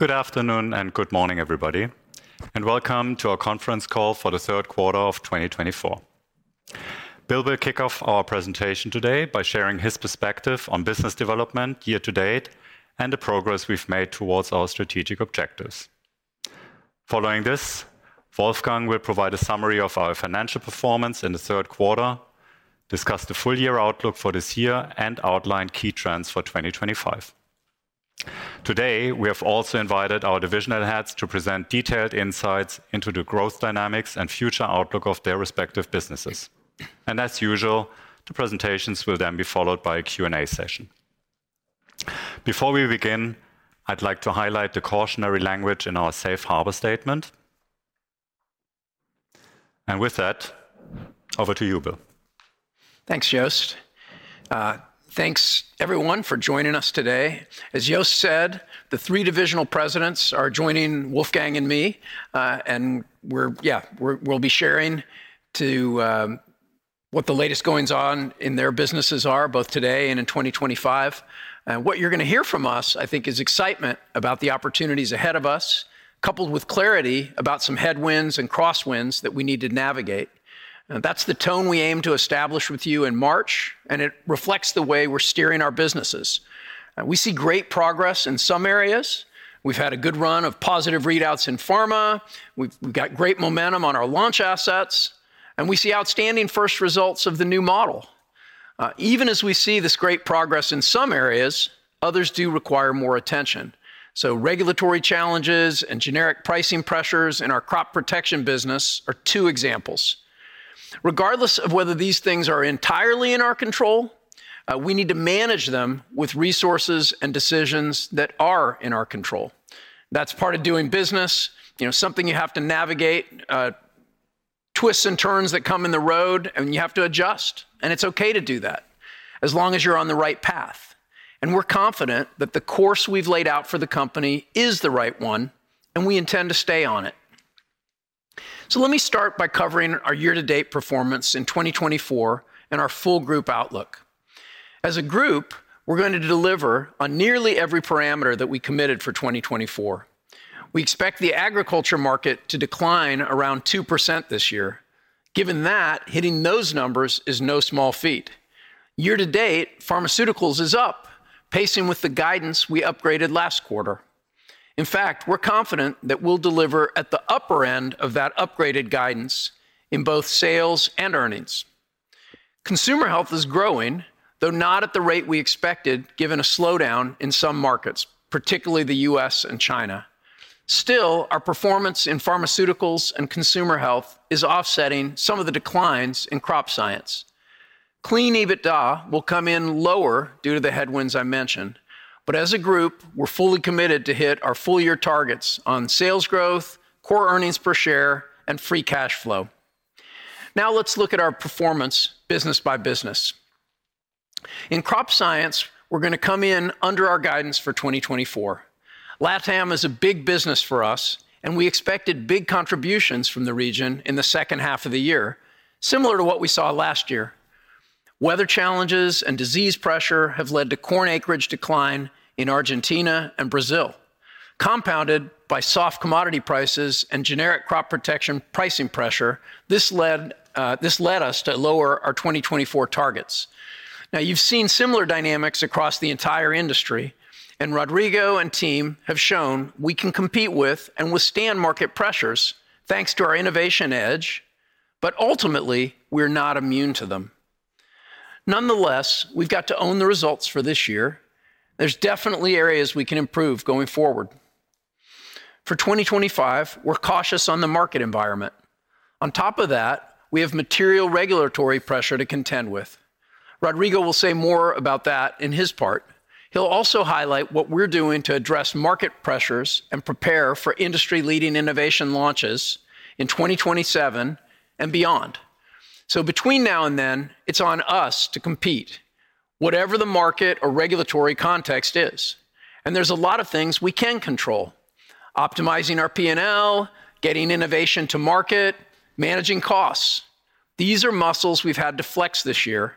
Good afternoon and good morning, everybody, and welcome to our conference call for the third quarter of 2024. Bill will kick off our presentation today by sharing his perspective on business development year to date and the progress we've made towards our strategic objectives. Following this, Wolfgang will provide a summary of our financial performance in the third quarter, discuss the full-year outlook for this year, and outline key trends for 2025. Today, we have also invited our divisional heads to present detailed insights into the growth dynamics and future outlook of their respective businesses. And as usual, the presentations will then be followed by a Q&A session. Before we begin, I'd like to highlight the cautionary language in our Safe Harbor Statement. And with that, over to you, Bill. Thanks, Jost. Thanks, everyone, for joining us today. As Jost said, the three divisional presidents are joining Wolfgang and me, and we'll be sharing what the latest goings-on in their businesses are, both today and in 2025. What you're going to hear from us, I think, is excitement about the opportunities ahead of us, coupled with clarity about some headwinds and crosswinds that we need to navigate. That's the tone we aim to establish with you in March, and it reflects the way we're steering our businesses. We see great progress in some areas. We've had a good run of positive readouts in pharma. We've got great momentum on our launch assets, and we see outstanding first results of the new model. Even as we see this great progress in some areas, others do require more attention. Regulatory challenges and generic pricing pressures in our crop protection business are two examples. Regardless of whether these things are entirely in our control, we need to manage them with resources and decisions that are in our control. That's part of doing business, something you have to navigate: twists and turns that come in the road, and you have to adjust. And it's okay to do that as long as you're on the right path. And we're confident that the course we've laid out for the company is the right one, and we intend to stay on it. So let me start by covering our year-to-date performance in 2024 and our full group outlook. As a group, we're going to deliver on nearly every parameter that we committed for 2024. We expect the agriculture market to decline around 2% this year. Given that, hitting those numbers is no small feat. Year-to-date, Pharmaceuticals is up, pacing with the guidance we upgraded last quarter. In fact, we're confident that we'll deliver at the upper end of that upgraded guidance in both sales and earnings. Consumer Health is growing, though not at the rate we expected, given a slowdown in some markets, particularly the U.S. and China. Still, our performance in Pharmaceuticals and Consumer Health is offsetting some of the declines in Crop Science. Clean EBITDA will come in lower due to the headwinds I mentioned. But as a group, we're fully committed to hit our full-year targets on sales growth, core earnings per share, and free cash flow. Now let's look at our performance business by business. In Crop Science, we're going to come in under our guidance for 2024. LATAM is a big business for us, and we expected big contributions from the region in the second half of the year, similar to what we saw last year. Weather challenges and disease pressure have led to corn acreage decline in Argentina and Brazil. Compounded by soft commodity prices and generic crop protection pricing pressure, this led us to lower our 2024 targets. Now, you've seen similar dynamics across the entire industry, and Rodrigo and team have shown we can compete with and withstand market pressures thanks to our innovation edge, but ultimately, we're not immune to them. Nonetheless, we've got to own the results for this year. There's definitely areas we can improve going forward. For 2025, we're cautious on the market environment. On top of that, we have material regulatory pressure to contend with. Rodrigo will say more about that in his part. He'll also highlight what we're doing to address market pressures and prepare for industry-leading innovation launches in 2027 and beyond. So between now and then, it's on us to compete, whatever the market or regulatory context is. And there's a lot of things we can control: optimizing our P&L, getting innovation to market, managing costs. These are muscles we've had to flex this year.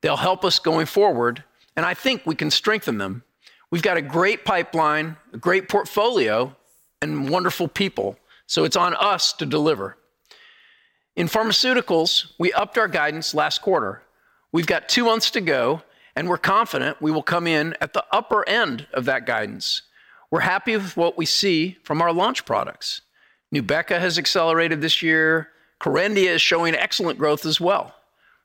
They'll help us going forward, and I think we can strengthen them. We've got a great pipeline, a great portfolio, and wonderful people. So it's on us to deliver. In Pharmaceuticals, we upped our guidance last quarter. We've got two months to go, and we're confident we will come in at the upper end of that guidance. We're happy with what we see from our launch products. Nubeca has accelerated this year. Kerendia is showing excellent growth as well.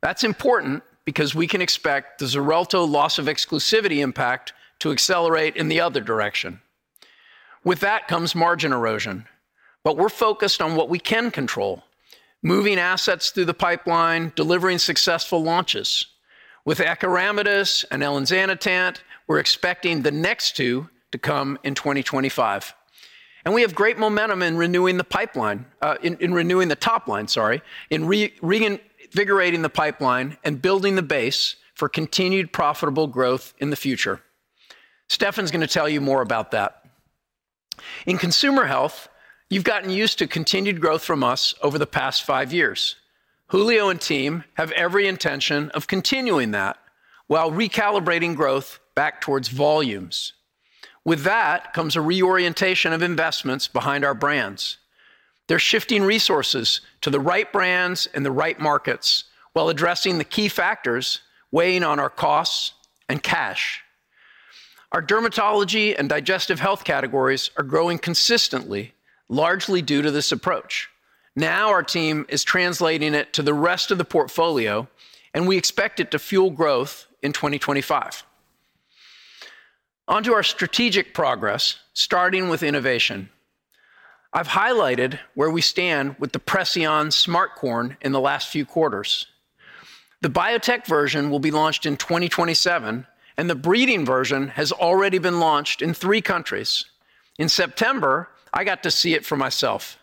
That's important because we can expect the Xarelto loss of exclusivity impact to accelerate in the other direction. With that comes margin erosion. But we're focused on what we can control: moving assets through the pipeline, delivering successful launches. With Acoramidis and Elinzanetant, we're expecting the next two to come in 2025, and we have great momentum in renewing the pipeline, in renewing the top line, sorry, in reinvigorating the pipeline and building the base for continued profitable growth in the future. Stefan's going to tell you more about that. In consumer health, you've gotten used to continued growth from us over the past five years. Julio and team have every intention of continuing that while recalibrating growth back towards volumes. With that comes a reorientation of investments behind our brands. They're shifting resources to the right brands and the right markets while addressing the key factors weighing on our costs and cash. Our dermatology and digestive health categories are growing consistently, largely due to this approach. Now our team is translating it to the rest of the portfolio, and we expect it to fuel growth in 2025. On to our strategic progress, starting with innovation. I've highlighted where we stand with the Preceon Smart Corn in the last few quarters. The biotech version will be launched in 2027, and the breeding version has already been launched in three countries. In September, I got to see it for myself.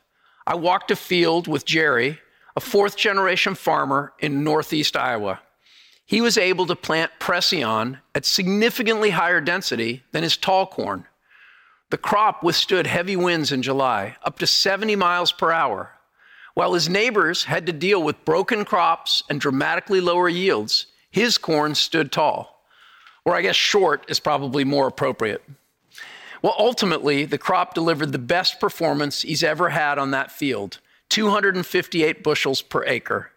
I walked a field with Jerry, a fourth-generation farmer in Northeast Iowa. He was able to plant Preceon at significantly higher density than his tall corn. The crop withstood heavy winds in July, up to 70 mi per hour. While his neighbors had to deal with broken crops and dramatically lower yields, his corn stood tall. Or I guess short is probably more appropriate. Well, ultimately, the crop delivered the best performance he's ever had on that field: 258 bushels per acre.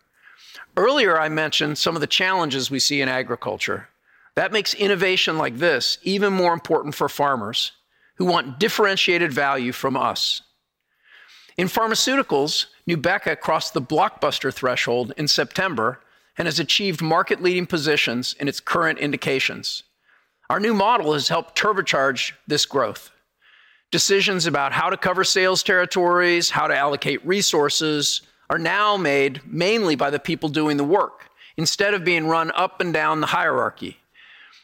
Earlier, I mentioned some of the challenges we see in agriculture. That makes innovation like this even more important for farmers who want differentiated value from us. In pharmaceuticals, Nubeca crossed the blockbuster threshold in September and has achieved market-leading positions in its current indications. Our new model has helped turbocharge this growth. Decisions about how to cover sales territories, how to allocate resources are now made mainly by the people doing the work instead of being run up and down the hierarchy.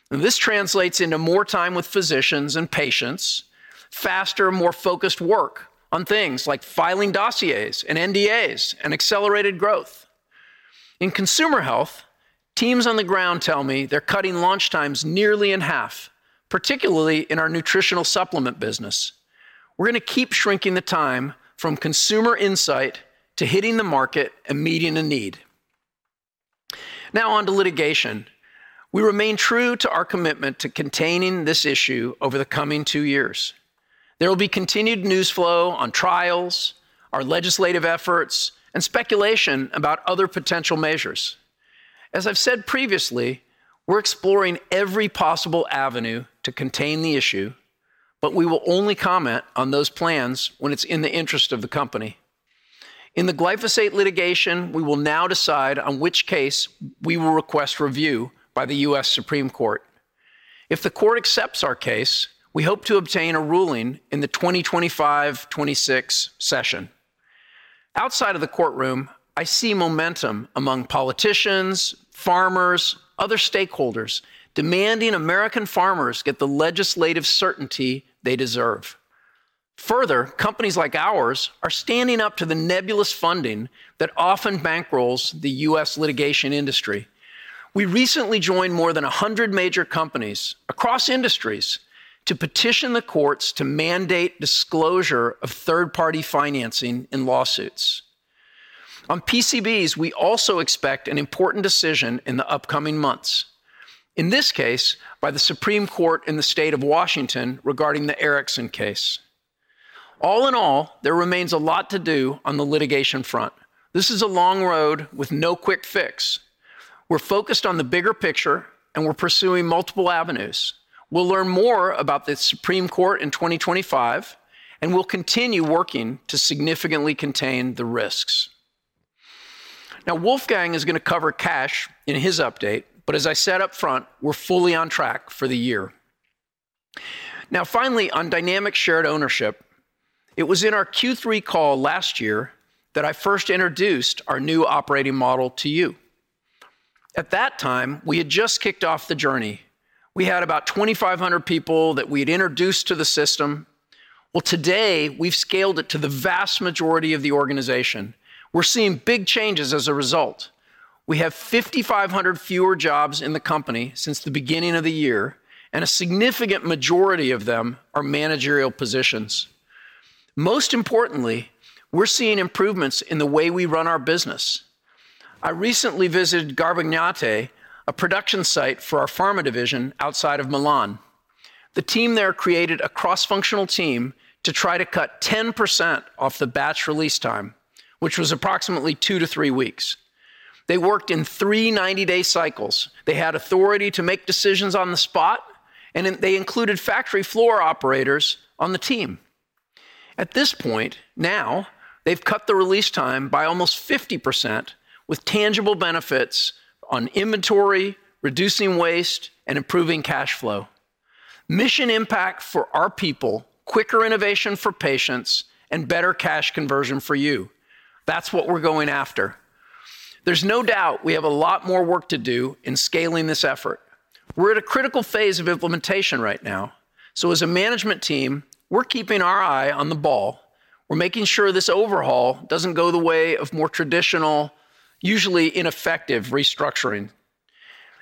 This translates into more time with physicians and patients, faster, more focused work on things like filing dossiers and NDAs and accelerated growth. In consumer health, teams on the ground tell me they're cutting launch times nearly in half, particularly in our nutritional supplement business. We're going to keep shrinking the time from consumer insight to hitting the market and meeting a need. Now on to litigation. We remain true to our commitment to containing this issue over the coming two years. There will be continued news flow on trials, our legislative efforts, and speculation about other potential measures. As I've said previously, we're exploring every possible avenue to contain the issue, but we will only comment on those plans when it's in the interest of the company. In the glyphosate litigation, we will now decide on which case we will request review by the U.S. Supreme Court. If the court accepts our case, we hope to obtain a ruling in the 2025-2026 session. Outside of the courtroom, I see momentum among politicians, farmers, and other stakeholders demanding American farmers get the legislative certainty they deserve. Further, companies like ours are standing up to the nebulous funding that often bankrolls the U.S. litigation industry. We recently joined more than 100 major companies across industries to petition the courts to mandate disclosure of third-party financing in lawsuits. On PCBs, we also expect an important decision in the upcoming months, in this case by the Supreme Court in the state of Washington regarding the Erickson case. All in all, there remains a lot to do on the litigation front. This is a long road with no quick fix. We're focused on the bigger picture, and we're pursuing multiple avenues. We'll learn more about the Supreme Court in 2025, and we'll continue working to significantly contain the risks. Now, Wolfgang is going to cover cash in his update, but as I said upfront, we're fully on track for the year. Now, finally, on dynamic shared ownership, it was in our Q3 call last year that I first introduced our new operating model to you. At that time, we had just kicked off the journey. We had about 2,500 people that we had introduced to the system. Today, we've scaled it to the vast majority of the organization. We're seeing big changes as a result. We have 5,500 fewer jobs in the company since the beginning of the year, and a significant majority of them are managerial positions. Most importantly, we're seeing improvements in the way we run our business. I recently visited Garbagnate, a production site for our pharma division outside of Milan. The team there created a cross-functional team to try to cut 10% off the batch release time, which was approximately two to three weeks. They worked in three 90-day cycles. They had authority to make decisions on the spot, and they included factory floor operators on the team. At this point, now, they've cut the release time by almost 50% with tangible benefits on inventory, reducing waste, and improving cash flow. Mission impact for our people, quicker innovation for patients, and better cash conversion for you. That's what we're going after. There's no doubt we have a lot more work to do in scaling this effort. We're at a critical phase of implementation right now. So as a management team, we're keeping our eye on the ball. We're making sure this overhaul doesn't go the way of more traditional, usually ineffective restructuring.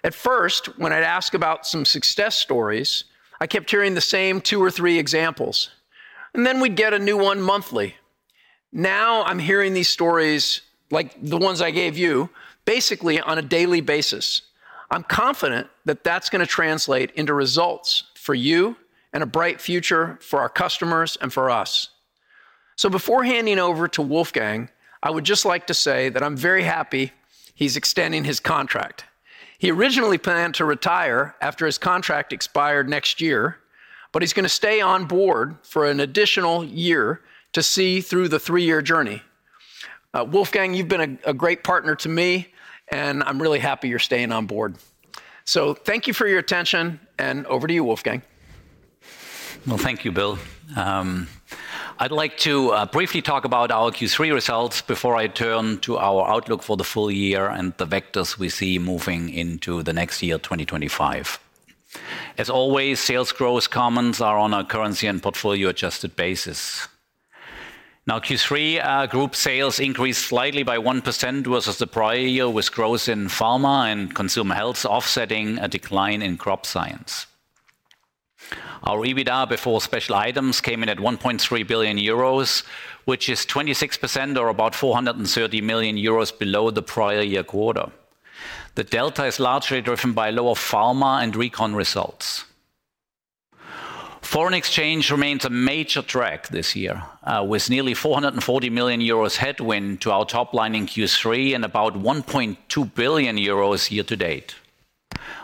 At first, when I'd ask about some success stories, I kept hearing the same two or three examples, and then we'd get a new one monthly. Now I'm hearing these stories like the ones I gave you, basically on a daily basis. I'm confident that that's going to translate into results for you and a bright future for our customers and for us. So before handing over to Wolfgang, I would just like to say that I'm very happy he's extending his contract. He originally planned to retire after his contract expired next year, but he's going to stay on board for an additional year to see through the three-year journey. Wolfgang, you've been a great partner to me, and I'm really happy you're staying on board. So thank you for your attention, and over to you, Wolfgang. Well, thank you, Bill. I'd like to briefly talk about our Q3 results before I turn to our outlook for the full year and the vectors we see moving into the next year, 2025. As always, sales growth comments are on a currency and portfolio-adjusted basis. Now, Q3 group sales increased slightly by 1% versus the prior year, with growth in pharma and consumer health offsetting a decline in crop science. Our EBITDA before special items came in at €1.3 billion, which is 26% or about €430 million below the prior year quarter. The delta is largely driven by lower pharma and region results. Foreign exchange remains a major drag this year, with nearly €440 million headwind to our top line in Q3 and about €1.2 billion year to date.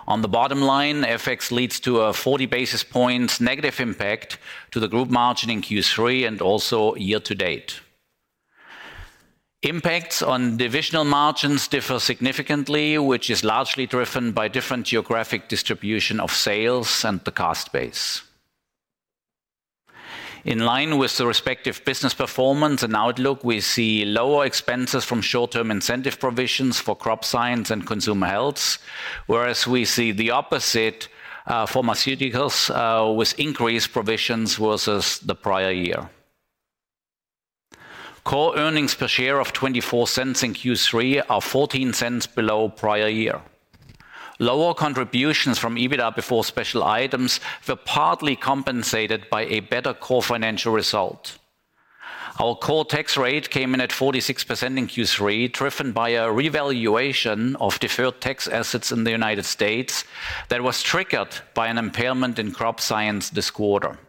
On the bottom line, FX leads to a 40 basis points negative impact to the group margin in Q3 and also year to date. Impacts on divisional margins differ significantly, which is largely driven by different geographic distribution of sales and the cost base. In line with the respective business performance and outlook, we see lower expenses from short-term incentive provisions for crop science and consumer health, whereas we see the opposite for pharmaceuticals with increased provisions versus the prior year. Core earnings per share of $0.24 in Q3 are $0.14 below prior year. Lower contributions from EBITDA before special items were partly compensated by a better core financial result. Our core tax rate came in at 46% in Q3, driven by a revaluation of deferred tax assets in the United States that was triggered by an impairment in crop science this quarter.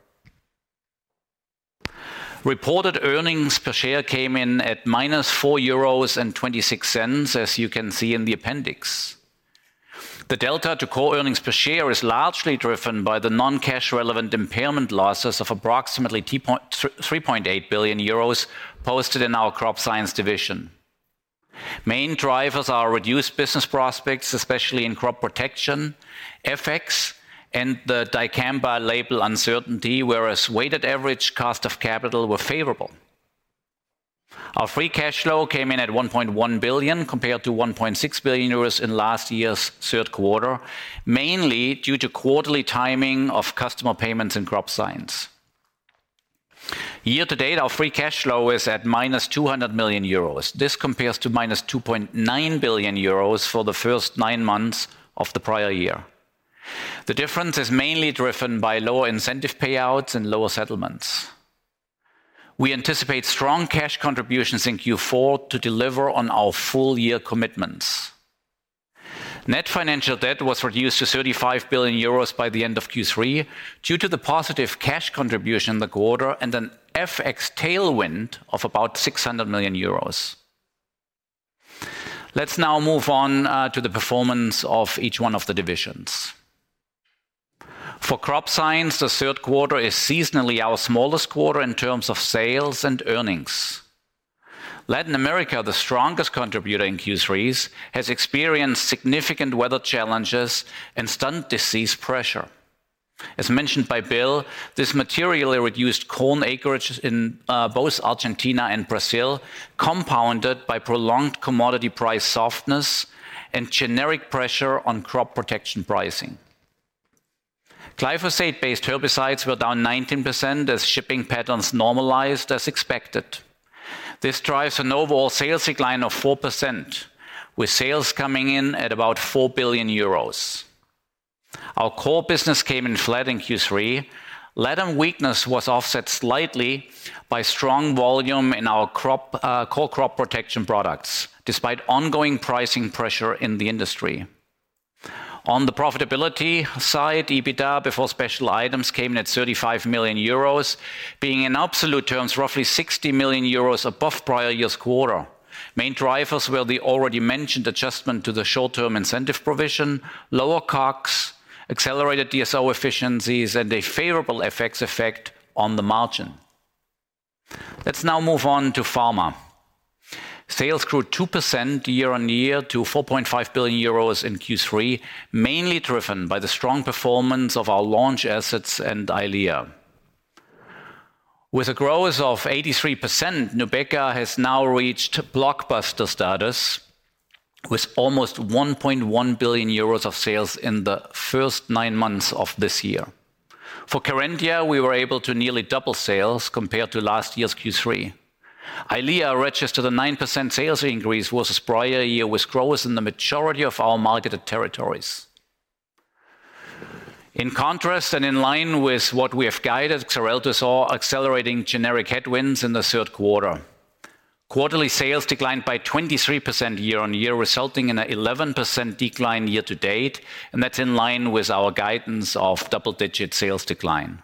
Reported earnings per share came in at -4.26 euros, as you can see in the appendix. The delta to core earnings per share is largely driven by the non-cash relevant impairment losses of approximately €3.8 billion posted in our crop science division. Main drivers are reduced business prospects, especially in crop protection, FX, and the dicamba label uncertainty. Whereas weighted average cost of capital were favorable. Our free cash flow came in at €1.1 billion compared to €1.6 billion in last year's third quarter, mainly due to quarterly timing of customer payments in crop science. Year to date, our free cash flow is at €-200 million. This compares to €-2.9 billion for the first nine months of the prior year. The difference is mainly driven by lower incentive payouts and lower settlements. We anticipate strong cash contributions in Q4 to deliver on our full-year commitments. Net financial debt was reduced to €35 billion by the end of Q3 due to the positive cash contribution in the quarter and an FX tailwind of about €600 million. Let's now move on to the performance of each one of the divisions. For Crop Science, the third quarter is seasonally our smallest quarter in terms of sales and earnings. Latin America, the strongest contributor in Q3, has experienced significant weather challenges and stunt disease pressure. As mentioned by Bill, this materially reduced corn acreage in both Argentina and Brazil, compounded by prolonged commodity price softness and generic pressure on crop protection pricing. Glyphosate-based herbicides were down 19% as shipping patterns normalized as expected. This drives an overall sales decline of 4%, with sales coming in at about €4 billion. Our core business came in flat in Q3. LATAM weakness was offset slightly by strong volume in our core crop protection products, despite ongoing pricing pressure in the industry. On the profitability side, EBITDA before special items came in at 35 million euros, being in absolute terms roughly 60 million euros above prior year's quarter. Main drivers were the already mentioned adjustment to the short-term incentive provision, lower COGS, accelerated DSO efficiencies, and a favorable FX effect on the margin. Let's now move on to pharma. Sales grew 2% year on year to 4.5 billion euros in Q3, mainly driven by the strong performance of our launch assets and Eylea. With a growth of 83%, Nubeca has now reached blockbuster status, with almost 1.1 billion euros of sales in the first nine months of this year. For Kerendia, we were able to nearly double sales compared to last year's Q3. Eylea registered a 9% sales increase versus prior year, with growth in the majority of our marketed territories. In contrast and in line with what we have guided, Xarelto saw accelerating generic headwinds in the third quarter. Quarterly sales declined by 23% year on year, resulting in an 11% decline year to date, and that's in line with our guidance of double-digit sales decline.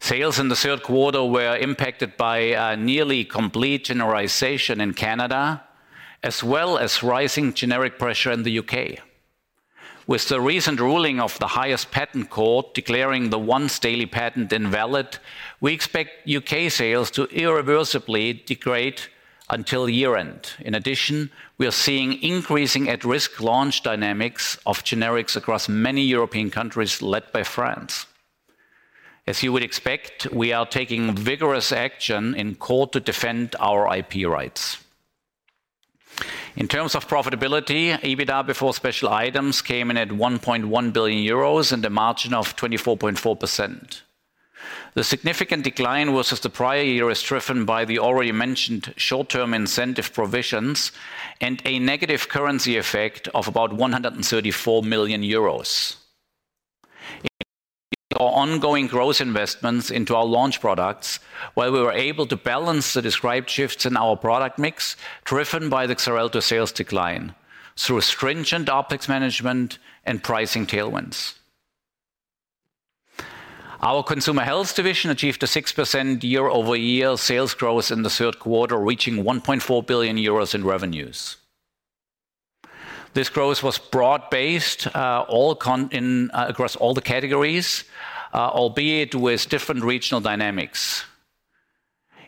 Sales in the third quarter were impacted by a nearly complete genericization in Canada, as well as rising generic pressure in the U.K. With the recent ruling of the highest patent court declaring the once-daily patent invalid, we expect U.K. sales to irreversibly degrade until year-end. In addition, we are seeing increasing at-risk launch dynamics of generics across many European countries led by France. As you would expect, we are taking vigorous action in court to defend our IP rights. In terms of profitability, EBITDA before special items came in at € 1.1 billion and a margin of 24.4%. The significant decline versus the prior year is driven by the already mentioned short-term incentive provisions and a negative currency effect of about € 134 million. In addition, our ongoing gross investments into our launch products, while we were able to balance the described shifts in our product mix, driven by the Xarelto sales decline through stringent OpEx management and pricing tailwinds. Our Consumer Health division achieved a 6% year-over-year sales growth in the third quarter, reaching € 1.4 billion in revenues. This growth was broad-based across all the categories, albeit with different regional dynamics.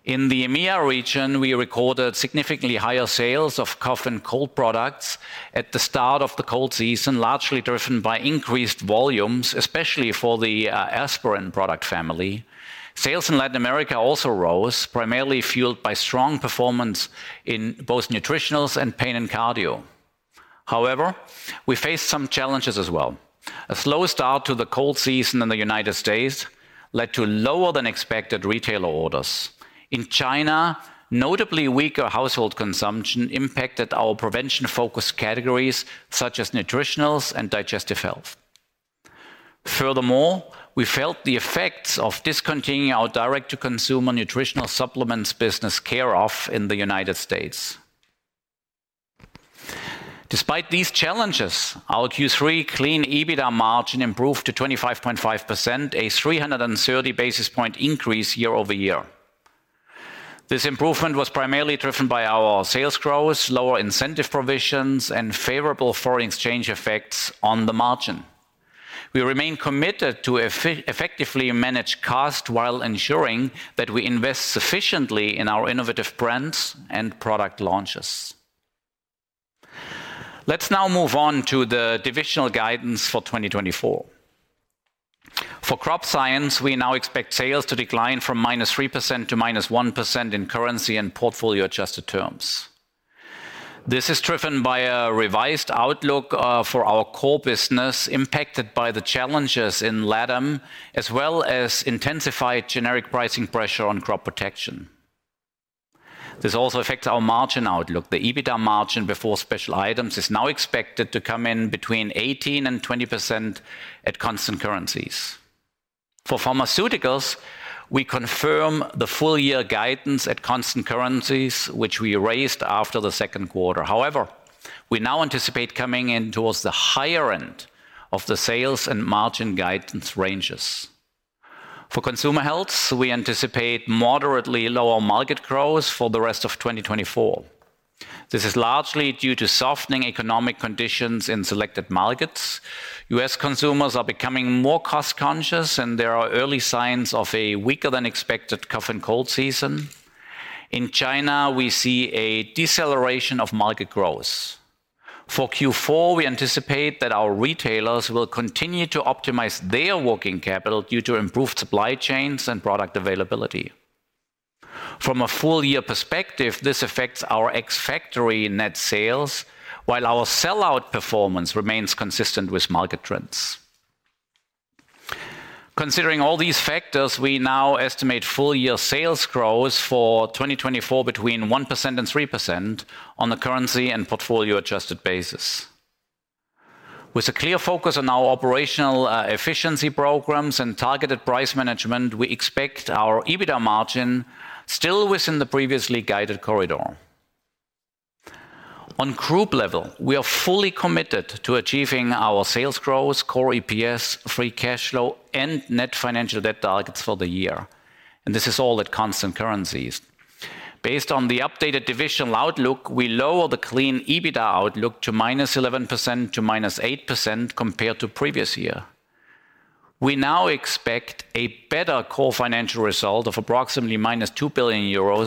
In the EMEA region, we recorded significantly higher sales of cough and cold products at the start of the cold season, largely driven by increased volumes, especially for the Aspirin product family. Sales in Latin America also rose, primarily fueled by strong performance in both nutritionals and pain and cardio. However, we faced some challenges as well. A slow start to the cold season in the United States led to lower-than-expected retailer orders. In China, notably weaker household consumption impacted our prevention-focused categories such as nutritionals and digestive health. Furthermore, we felt the effects of discontinuing our direct-to-consumer nutritional supplements business Care/of in the United States. Despite these challenges, our Q3 clean EBITDA margin improved to 25.5%, a 330 basis points increase year over year. This improvement was primarily driven by our sales growth, lower incentive provisions, and favorable foreign exchange effects on the margin. We remain committed to effectively manage costs while ensuring that we invest sufficiently in our innovative brands and product launches. Let's now move on to the divisional guidance for 2024. For crop science, we now expect sales to decline from -3% to -1% in currency and portfolio-adjusted terms. This is driven by a revised outlook for our core business impacted by the challenges in LATAM, as well as intensified generic pricing pressure on crop protection. This also affects our margin outlook. The EBITDA margin before special items is now expected to come in between 18% and 20% at constant currencies. For pharmaceuticals, we confirm the full-year guidance at constant currencies, which we raised after the second quarter. However, we now anticipate coming in towards the higher end of the sales and margin guidance ranges. For consumer health, we anticipate moderately lower market growth for the rest of 2024. This is largely due to softening economic conditions in selected markets. U.S. consumers are becoming more cost-conscious, and there are early signs of a weaker-than-expected cough and cold season. In China, we see a deceleration of market growth. For Q4, we anticipate that our retailers will continue to optimize their working capital due to improved supply chains and product availability. From a full-year perspective, this affects our ex-factory net sales, while our sell-out performance remains consistent with market trends. Considering all these factors, we now estimate full-year sales growth for 2024 between 1% and 3% on a currency and portfolio-adjusted basis. With a clear focus on our operational efficiency programs and targeted price management, we expect our EBITDA margin still within the previously guided corridor. On group level, we are fully committed to achieving our sales growth, core EPS, free cash flow, and net financial debt targets for the year, and this is all at constant currencies. Based on the updated divisional outlook, we lower the clean EBITDA outlook to -11% to -8% compared to previous year. We now expect a better core financial result of approximately €2 billion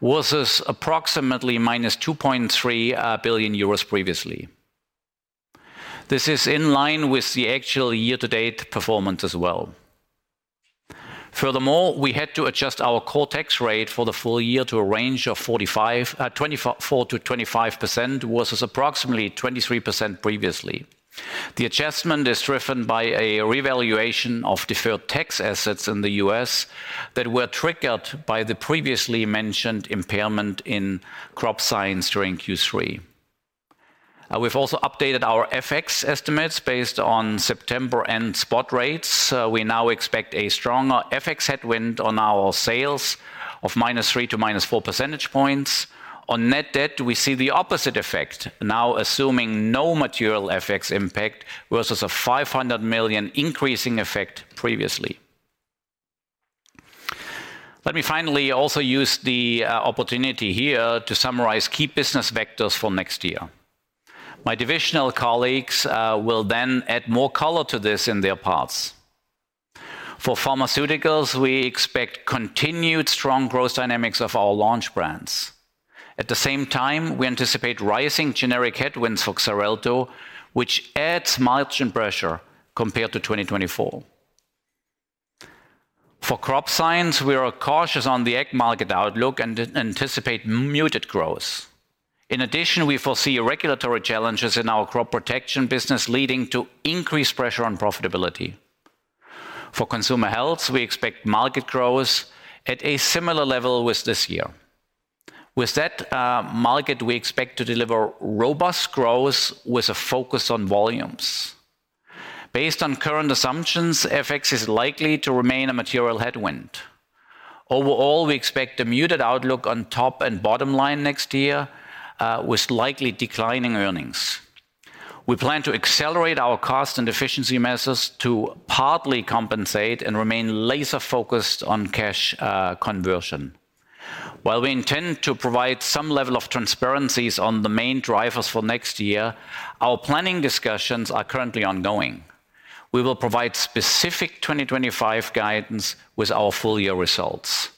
versus approximately €2.3 billion previously. This is in line with the actual year-to-date performance as well. Furthermore, we had to adjust our core tax rate for the full year to a range of 24%-25% versus approximately 23% previously. The adjustment is driven by a revaluation of deferred tax assets in the U.S. that were triggered by the previously mentioned impairment in crop science during Q3. We've also updated our FX estimates based on September and spot rates. We now expect a stronger FX headwind on our sales of -3% to -4%. On net debt, we see the opposite effect, now assuming no material FX impact versus a €500 million increasing effect previously. Let me finally also use the opportunity here to summarize key business vectors for next year. My divisional colleagues will then add more color to this in their parts. For pharmaceuticals, we expect continued strong growth dynamics of our launch brands. At the same time, we anticipate rising generic headwinds for Xarelto, which adds margin pressure compared to 2024. For crop science, we are cautious on the ag market outlook and anticipate muted growth. In addition, we foresee regulatory challenges in our crop protection business leading to increased pressure on profitability. For consumer health, we expect market growth at a similar level with this year. With that market, we expect to deliver robust growth with a focus on volumes. Based on current assumptions, FX is likely to remain a material headwind. Overall, we expect a muted outlook on top and bottom line next year with likely declining earnings. We plan to accelerate our cost and efficiency measures to partly compensate and remain laser-focused on cash conversion. While we intend to provide some level of transparency on the main drivers for next year, our planning discussions are currently ongoing. We will provide specific 2025 guidance with our full-year results.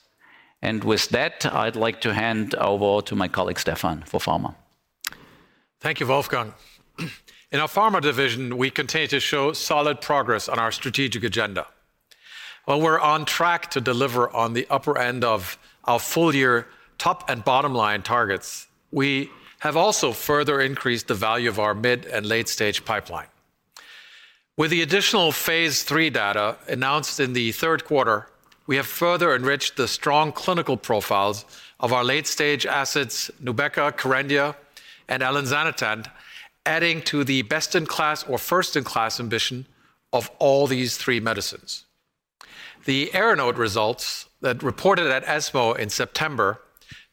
And with that, I'd like to hand over to my colleague Stefan for pharma. Thank you, Wolfgang. In our pharma division, we continue to show solid progress on our strategic agenda. While we're on track to deliver on the upper end of our full-year top and bottom line targets, we have also further increased the value of our mid and late-stage pipeline. With the additional phase 3 data announced in the third quarter, we have further enriched the strong clinical profiles of our late-stage assets, Nubeca, Kerendia, and Elinzanetant, adding to the best-in-class or first-in-class ambition of all these three medicines. The ARANOTE results that reported at ESMO in September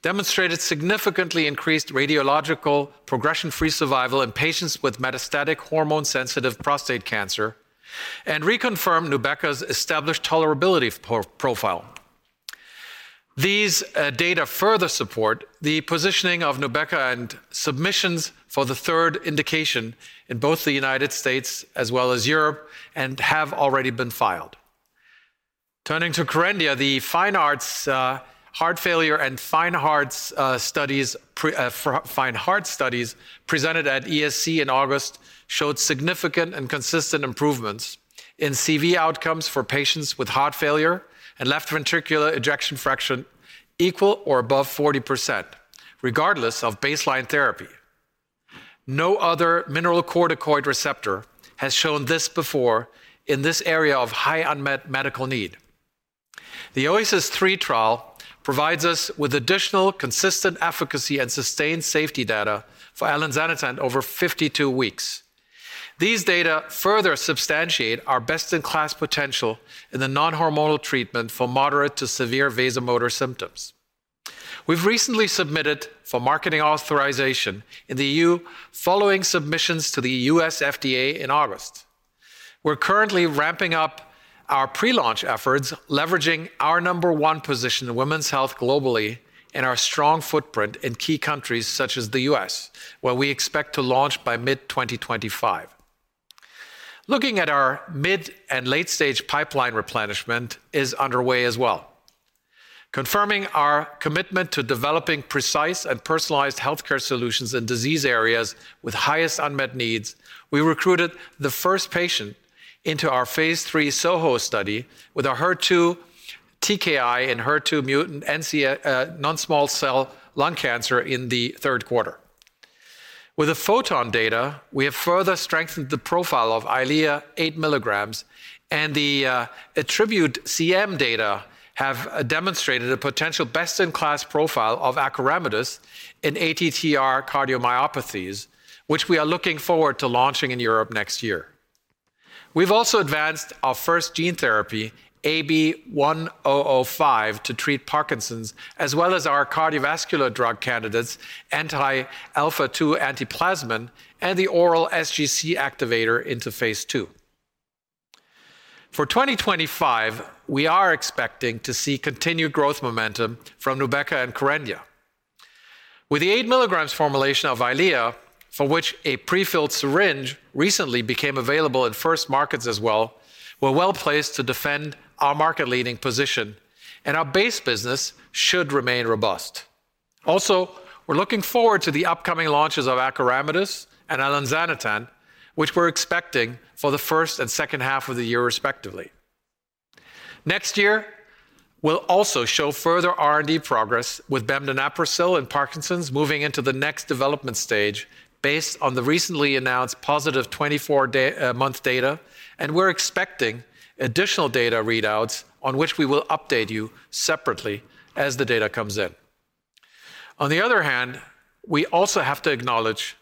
demonstrated significantly increased radiological progression-free survival in patients with metastatic hormone-sensitive prostate cancer and reconfirmed Nubeca's established tolerability profile. These data further support the positioning of Nubeca and submissions for the third indication in both the United States as well as Europe and have already been filed. Turning to Kerendia, the FINEARTS-HF and FINE-HEART Studies presented at ESC in August showed significant and consistent improvements in CV outcomes for patients with heart failure and left ventricular ejection fraction equal or above 40%, regardless of baseline therapy. No other mineralocorticoid receptor has shown this before in this area of high unmet medical need. The OASIS-3 trial provides us with additional consistent efficacy and sustained safety data for Elinzanetant over 52 weeks. These data further substantiate our best-in-class potential in the non-hormonal treatment for moderate to severe vasomotor symptoms. We've recently submitted for marketing authorization in the E.U. following submissions to the U.S. FDA in August. We're currently ramping up our pre-launch efforts, leveraging our number one position in women's health globally and our strong footprint in key countries such as the U.S., where we expect to launch by mid-2025. Looking at our mid- and late-stage pipeline replenishment is underway as well. Confirming our commitment to developing precise and personalized healthcare solutions in disease areas with highest unmet needs, we recruited the first patient into our phase 3 SOHO study with a HER2 TKI and HER2 mutant non-small cell lung cancer in the third quarter. With the PHOTON data, we have further strengthened the profile of Eylea 8 mg, and the ATTRibute-CM data have demonstrated a potential best-in-class profile of Acoramidis in ATTR cardiomyopathy, which we are looking forward to launching in Europe next year. We've also advanced our first gene therapy, AB-1005, to treat Parkinson's, as well as our cardiovascular drug candidates, anti-alpha-2-antiplasmin and the oral sGC activator into Phase 2. For 2025, we are expecting to see continued growth momentum from Nubeca and Kerendia. With the 8 mg formulation of Eylea, for which a prefilled syringe recently became available in first markets as well, we're well placed to defend our market-leading position, and our base business should remain robust. Also, we're looking forward to the upcoming launches of Acoramidis and Elinzanetant, which we're expecting for the first and second half of the year, respectively. Next year, we'll also show further R&D progress with Bemdaneprocel in Parkinson's moving into the next development stage based on the recently announced positive 24-month data, and we're expecting additional data readouts on which we will update you separately as the data comes in. On the other hand, we also have to acknowledge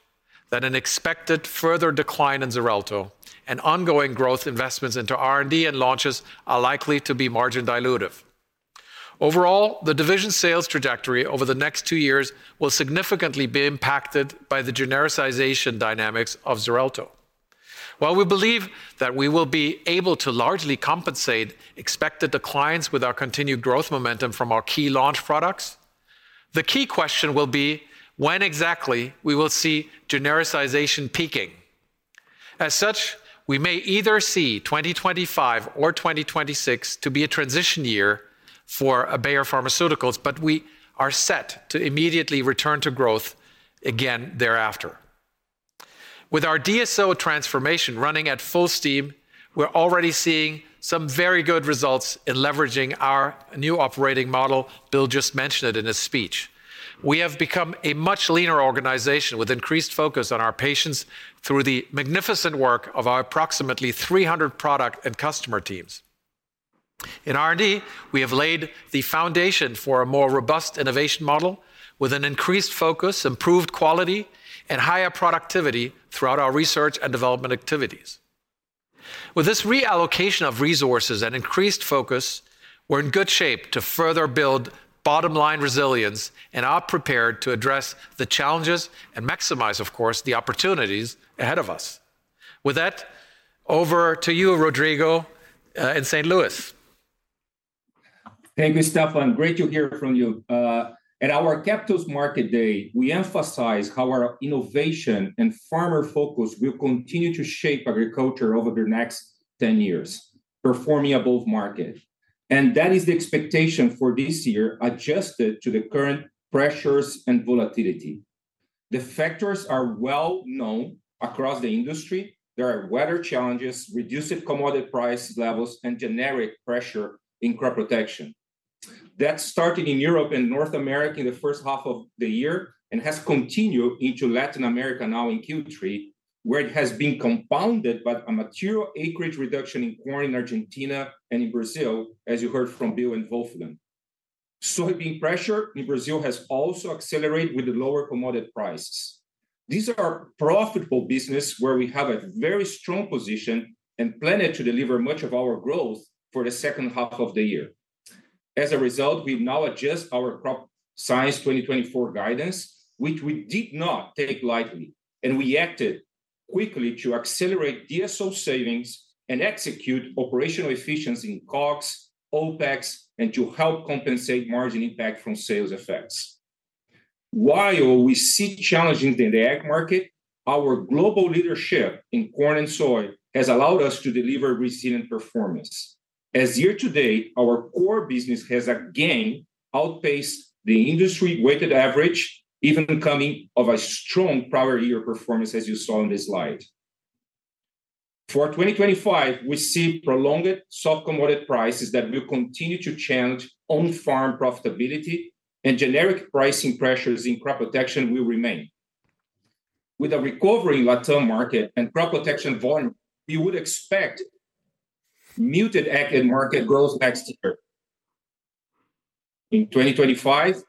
that an expected further decline in Xarelto and ongoing growth investments into R&D and launches are likely to be margin-dilutive. Overall, the division's sales trajectory over the next two years will significantly be impacted by the genericization dynamics of Xarelto. While we believe that we will be able to largely compensate expected declines with our continued growth momentum from our key launch products, the key question will be when exactly we will see genericization peaking. As such, we may either see 2025 or 2026 to be a transition year for Bayer Pharmaceuticals, but we are set to immediately return to growth again thereafter. With our DSO transformation running at full steam, we're already seeing some very good results in leveraging our new operating model, Bill just mentioned it in his speech. We have become a much leaner organization with increased focus on our patients through the magnificent work of our approximately 300 product and customer teams. In R&D, we have laid the foundation for a more robust innovation model with an increased focus, improved quality, and higher productivity throughout our research and development activities. With this reallocation of resources and increased focus, we're in good shape to further build bottom-line resilience and are prepared to address the challenges and maximize, of course, the opportunities ahead of us. With that, over to you, Rodrigo, in St. Louis. Alright. Thank you, Stefan. Great to hear from you. At our Capital Markets Day, we emphasize how our innovation and farmer focus will continue to shape agriculture over the next 10 years, performing above market. That is the expectation for this year, adjusted to the current pressures and volatility. The factors are well known across the industry. There are weather challenges, reduced commodity price levels, and generic pressure in crop protection. That started in Europe and North America in the first half of the year and has continued into Latin America now in Q3, where it has been compounded by a material acreage reduction in corn in Argentina and in Brazil, as you heard from Bill and Wolfgang. Soybean pressure in Brazil has also accelerated with the lower commodity prices. These are profitable businesses where we have a very strong position and plan to deliver much of our growth for the second half of the year. As a result, we've now adjusted our Crop Science 2024 guidance, which we did not take lightly, and we acted quickly to accelerate DSO savings and execute operational efficiency in COGS, OPEX, and to help compensate margin impact from sales effects. While we see challenges in the ag market, our global leadership in corn and soy has allowed us to deliver resilient performance. As year-to-date, our core business has again outpaced the industry-weighted average, even coming off a strong prior year performance, as you saw in this slide. For 2025, we see prolonged soft commodity prices that will continue to challenge on-farm profitability, and generic pricing pressures in crop protection will remain. With a recovering Latin market and crop protection volume, we would expect muted ag market growth next year. In 2025,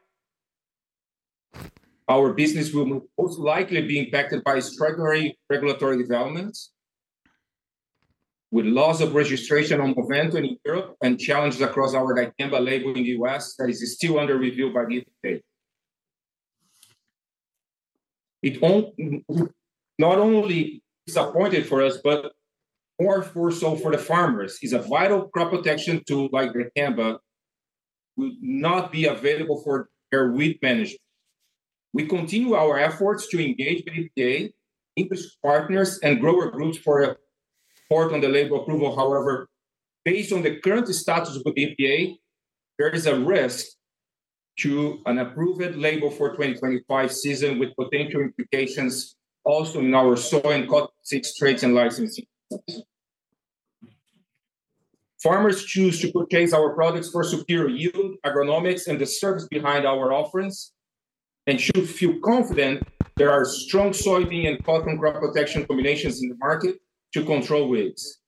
our business will most likely be impacted by struggling regulatory developments with loss of registration on Movento in Europe and challenges across our dicamba label in the US that is still under review by the FDA. It's not only a pain for us, but more so for the farmers, [that] a vital crop protection tool like dicamba will not be available for their weed management. We continue our efforts to engage with the FDA, industry partners, and grower groups for support on the label approval. However, based on the current status of the FDA, there is a risk to an approved label for 2025 season with potential implications also in our soy and corn seed traits and licensing. Farmers choose to purchase our products for superior yield, agronomics, and the service behind our offerings, and should feel confident there are strong soybean and cotton crop protection combinations in the market to control weeds.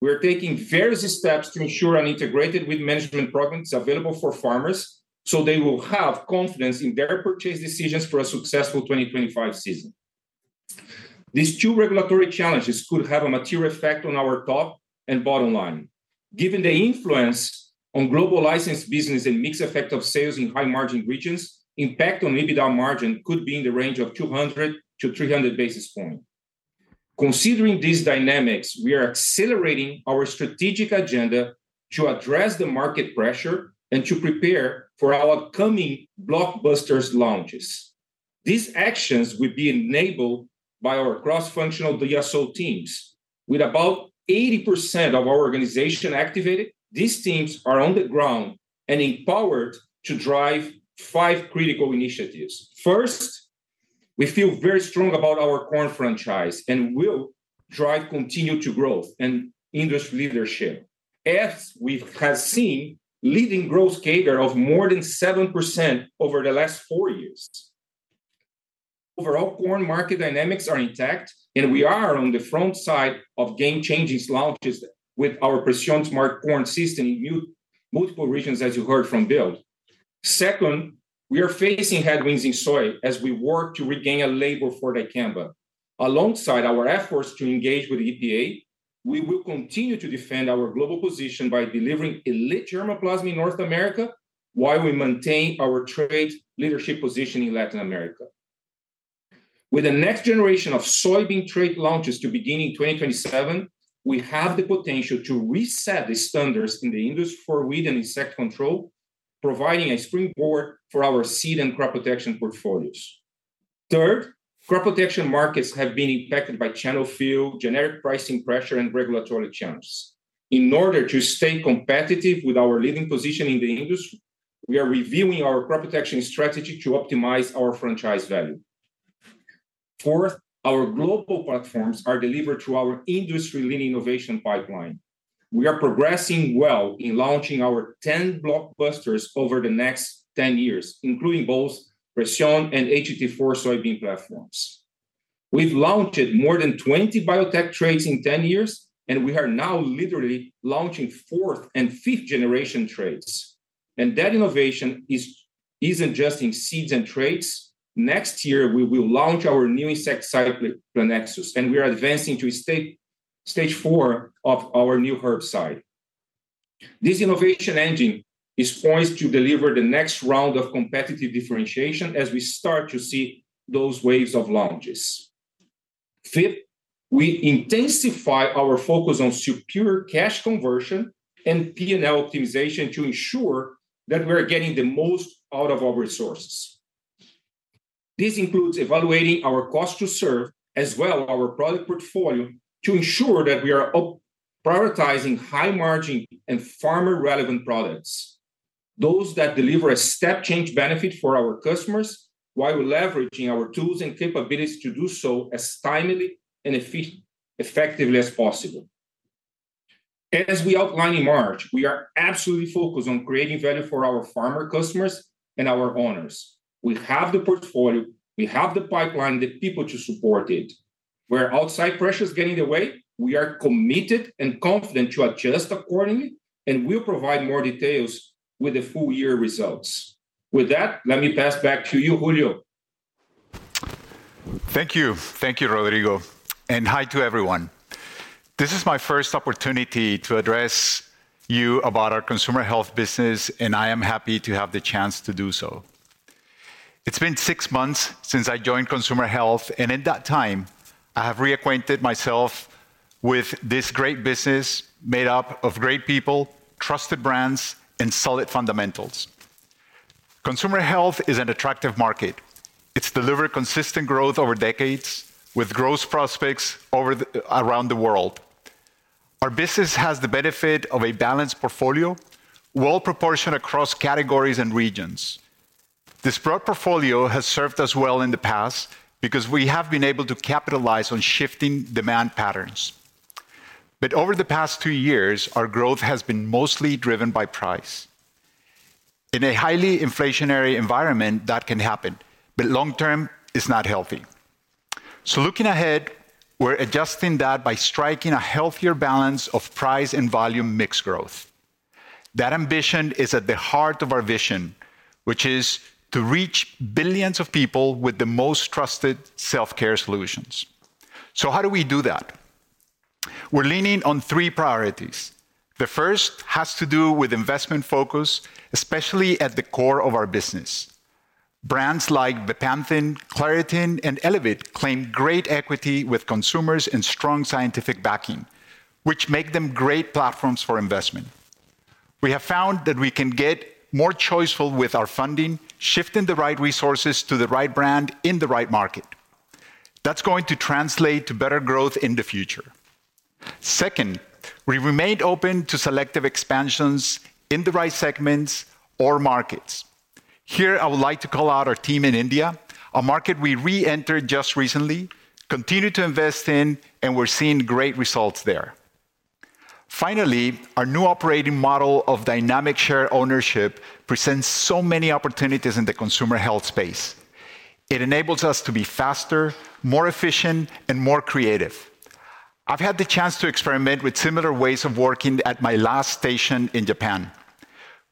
We are taking various steps to ensure an integrated wheat management program is available for farmers so they will have confidence in their purchase decisions for a successful 2025 season. These two regulatory challenges could have a material effect on our top and bottom line. Given the influence on global license business and mixed effect of sales in high-margin regions, impact on EBITDA margin could be in the range of 200-300 basis points. Considering these dynamics, we are accelerating our strategic agenda to address the market pressure and to prepare for our upcoming blockbuster launches. These actions will be enabled by our cross-functional DSO teams. With about 80% of our organization activated, these teams are on the ground and empowered to drive five critical initiatives. First, we feel very strong about our corn franchise and will drive continued growth and industry leadership, as we have seen leading growth CAGR of more than 7% over the last four years. Overall, corn market dynamics are intact, and we are on the front side of game-changing launches with our Preceon Smart Corn System in multiple regions, as you heard from Bill. Second, we are facing headwinds in soy as we work to regain a label for dicamba. Alongside our efforts to engage with the EPA, we will continue to defend our global position by delivering elite germplasm in North America while we maintain our trade leadership position in Latin America. With the next generation of soybean trait launches to begin in 2027, we have the potential to reset the standards in the industry for weed and insect control, providing a springboard for our seed and crop protection portfolios. Third, crop protection markets have been impacted by channel fill, generic pricing pressure, and regulatory challenges. In order to stay competitive with our leading position in the industry, we are reviewing our crop protection strategy to optimize our franchise value. Fourth, our global platforms are delivered through our industry-leading innovation pipeline. We are progressing well in launching our 10 blockbusters over the next 10 years, including both Preceon and HT4 soybean platforms. We've launched more than 20 biotech traits in 10 years, and we are now literally launching fourth and fifth generation traits, and that innovation isn't just in seeds and traits. Next year, we will launch our new insecticide Plenexos, and we are advancing to stage four of our new herbicide. This innovation engine is poised to deliver the next round of competitive differentiation as we start to see those waves of launches. Fifth, we intensify our focus on superior cash conversion and P&L optimization to ensure that we are getting the most out of our resources. This includes evaluating our cost to serve as well as our product portfolio to ensure that we are prioritizing high-margin and farmer-relevant products, those that deliver a step-change benefit for our customers, while leveraging our tools and capabilities to do so as timely and effectively as possible. As we outlined in March, we are absolutely focused on creating value for our farmer customers and our owners. We have the portfolio, we have the pipeline, the people to support it. Where outside pressure is getting in the way, we are committed and confident to adjust accordingly, and we'll provide more details with the full year results. With that, let me pass back to you, Julio. Thank you. Thank you, Rodrigo. And hi to everyone. This is my first opportunity to address you about our Consumer Health business, and I am happy to have the chance to do so. It's been six months since I joined Consumer Health, and in that time, I have reacquainted myself with this great business made up of great people, trusted brands, and solid fundamentals. Consumer Health is an attractive market. It's delivered consistent growth over decades with strong prospects around the world. Our business has the benefit of a balanced portfolio, well-proportioned across categories and regions. This broad portfolio has served us well in the past because we have been able to capitalize on shifting demand patterns. But over the past two years, our growth has been mostly driven by price. In a highly inflationary environment, that can happen, but long-term, it's not healthy. So looking ahead, we're adjusting that by striking a healthier balance of price and volume mixed growth. That ambition is at the heart of our vision, which is to reach billions of people with the most trusted self-care solutions. So how do we do that? We're leaning on three priorities. The first has to do with investment focus, especially at the core of our business. Brands like Bepanthen, Claritin, and Elevit claim great equity with consumers and strong scientific backing, which make them great platforms for investment. We have found that we can get more choiceful with our funding, shifting the right resources to the right brand in the right market. That's going to translate to better growth in the future. Second, we remain open to selective expansions in the right segments or markets. Here, I would like to call out our team in India, a market we re-entered just recently, continued to invest in, and we're seeing great results there. Finally, our new operating model of Dynamic Shared Ownership presents so many opportunities in the consumer health space. It enables us to be faster, more efficient, and more creative. I've had the chance to experiment with similar ways of working at my last station in Japan,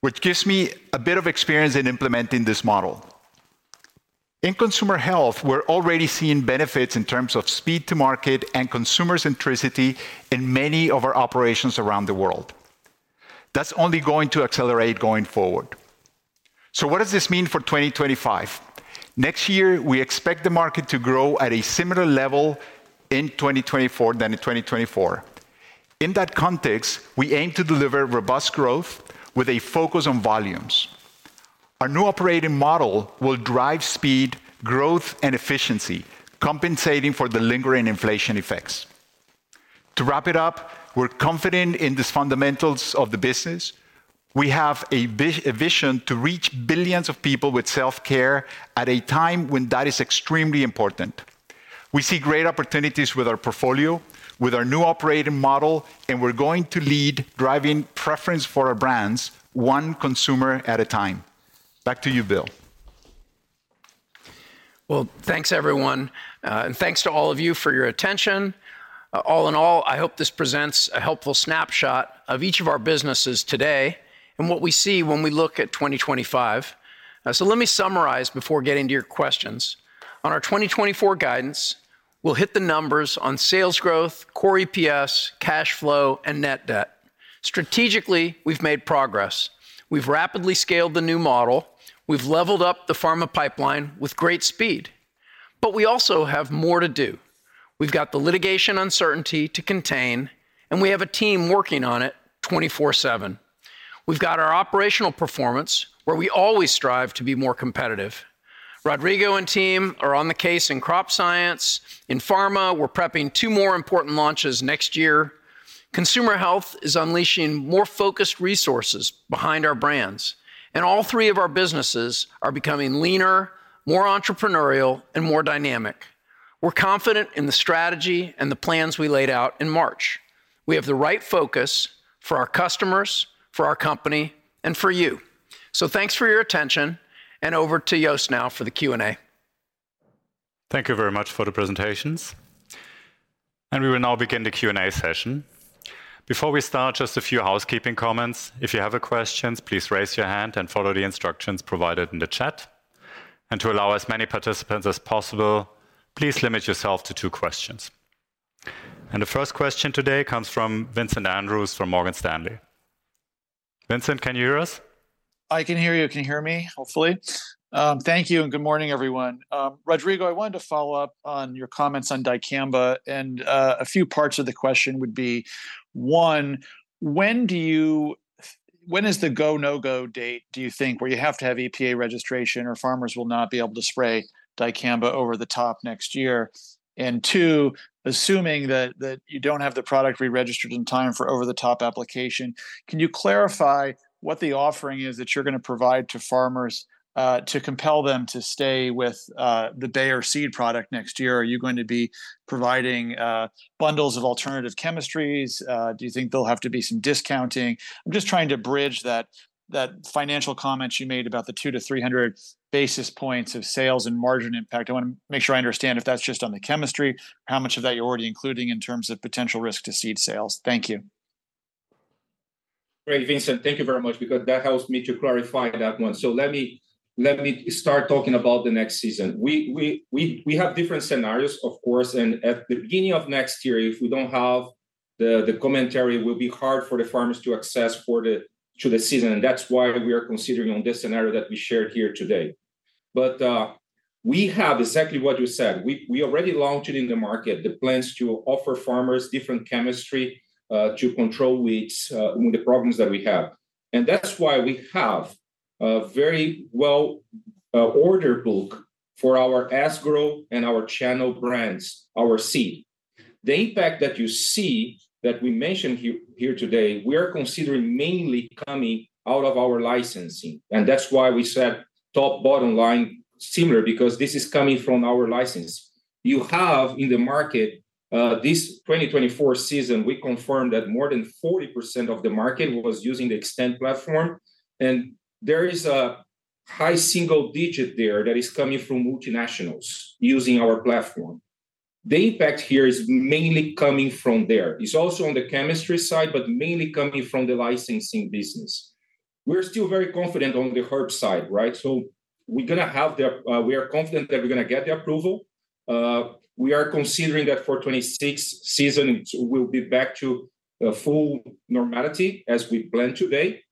which gives me a bit of experience in implementing this model. In Consumer Health, we're already seeing benefits in terms of speed to market and consumer centricity in many of our operations around the world. That's only going to accelerate going forward. So what does this mean for 2025? Next year, we expect the market to grow at a similar level in 2025 than in 2024. In that context, we aim to deliver robust growth with a focus on volumes. Our new operating model will drive speed, growth, and efficiency, compensating for the lingering inflation effects. To wrap it up, we're confident in these fundamentals of the business. We have a vision to reach billions of people with self-care at a time when that is extremely important. We see great opportunities with our portfolio, with our new operating model, and we're going to lead driving preference for our brands, one consumer at a time. Back to you, Bill. Well, thanks, everyone. And thanks to all of you for your attention. All in all, I hope this presents a helpful snapshot of each of our businesses today and what we see when we look at 2025. So let me summarize before getting to your questions. On our 2024 guidance, we'll hit the numbers on sales growth, core EPS, cash flow, and net debt. Strategically, we've made progress. We've rapidly scaled the new model. We've leveled up the pharma pipeline with great speed. But we also have more to do. We've got the litigation uncertainty to contain, and we have a team working on it 24/7. We've got our operational performance, where we always strive to be more competitive. Rodrigo and team are on the case in crop science. In pharma, we're prepping two more important launches next year. Consumer health is unleashing more focused resources behind our brands. All three of our businesses are becoming leaner, more entrepreneurial, and more dynamic. We're confident in the strategy and the plans we laid out in March. We have the right focus for our customers, for our company, and for you. Thanks for your attention, and over to Jost now for the Q&A. Thank you very much for the presentations. We will now begin the Q&A session. Before we start, just a few housekeeping comments. If you have questions, please raise your hand and follow the instructions provided in the chat. To allow as many participants as possible, please limit yourself to two questions. The first question today comes from Vincent Andrews from Morgan Stanley. Vincent, can you hear us? I can hear you. Can you hear me? Hopefully. Thank you. Good morning, everyone. Rodrigo, I wanted to follow up on your comments on dicamba. A few parts of the question would be, one, when is the go-no-go date, do you think, where you have to have EPA registration or farmers will not be able to spray dicamba over the top next year? And two, assuming that you don't have the product re-registered in time for over-the-top application, can you clarify what the offering is that you're going to provide to farmers to compel them to stay with the Bayer seed product next year? Are you going to be providing bundles of alternative chemistries? Do you think there'll have to be some discounting? I'm just trying to bridge that financial comment you made about the 200-300 basis points of sales and margin impact. I want to make sure I understand if that's just on the chemistry, how much of that you're already including in terms of potential risk to seed sales. Thank you. Great, Vincent. Thank you very much because that helps me to clarify that one. So let me start talking about the next season. We have different scenarios, of course. And at the beginning of next year, if we don't have the commentary, it will be hard for the farmers to access for the season. And that's why we are considering on this scenario that we shared here today. But we have exactly what you said. We already launched in the market the plans to offer farmers different chemistry to control weeds with the problems that we have. And that's why we have a very well-ordered book for our Asgrow and our Channel brands, our seed. The impact that you see that we mentioned here today, we are considering mainly coming out of our licensing, and that's why we said top, bottom line, similar because this is coming from our license. You have in the market this 2024 season; we confirmed that more than 40% of the market was using the Xtend platform. And there is a high single digit there that is coming from multinationals using our platform. The impact here is mainly coming from there. It's also on the chemistry side, but mainly coming from the licensing business. We're still very confident on the herbicide side, right? So we are confident that we're going to get the approval. We are considering that for 2026 season, we'll be back to full normality as we planned today,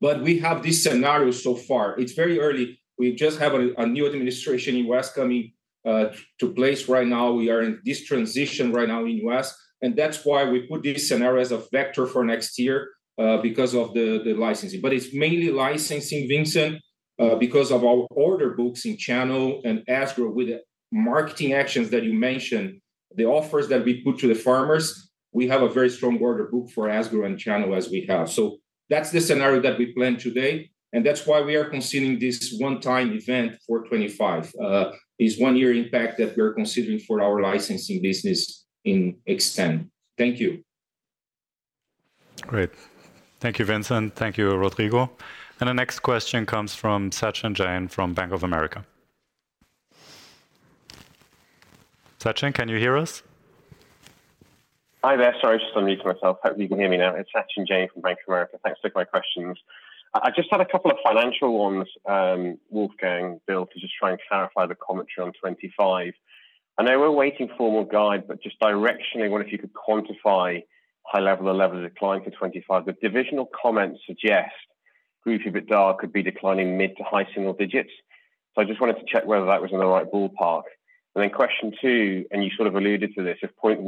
but we have this scenario so far. It's very early. We just have a new administration in the U.S. coming into place. Right now, we are in this transition right now in the U.S. And that's why we put these scenarios as a vector for next year because of the licensing. But it's mainly licensing, Vincent, because of our order books in Channel and Asgrow with the marketing actions that you mentioned, the offers that we put to the farmers. We have a very strong order book for Asgrow and Channel as we have. So that's the scenario that we planned today. And that's why we are considering this one-time event for 2025. It's a one-year impact that we're considering for our licensing business in extent. Thank you. Great. Thank you, Vincent. Thank you, Rodrigo. And the next question comes from Sachin Jain from Bank of America. Sachin, can you hear us? Hi, there. Sorry, I just unmuted myself. Hope you can hear me now. It's Sachin Jain from Bank of America. Thanks for my questions. I just had a couple of financial ones, Wolfgang, Bill, to just try and clarify the commentary on 2025. I know we're waiting for more guide, but just directionally, I wonder if you could quantify high-level, the level of decline for 2025. The divisional comments suggest Crop Science EBITDA could be declining mid to high single digits. So I just wanted to check whether that was in the right ballpark. And then question two, and you sort of alluded to this, if point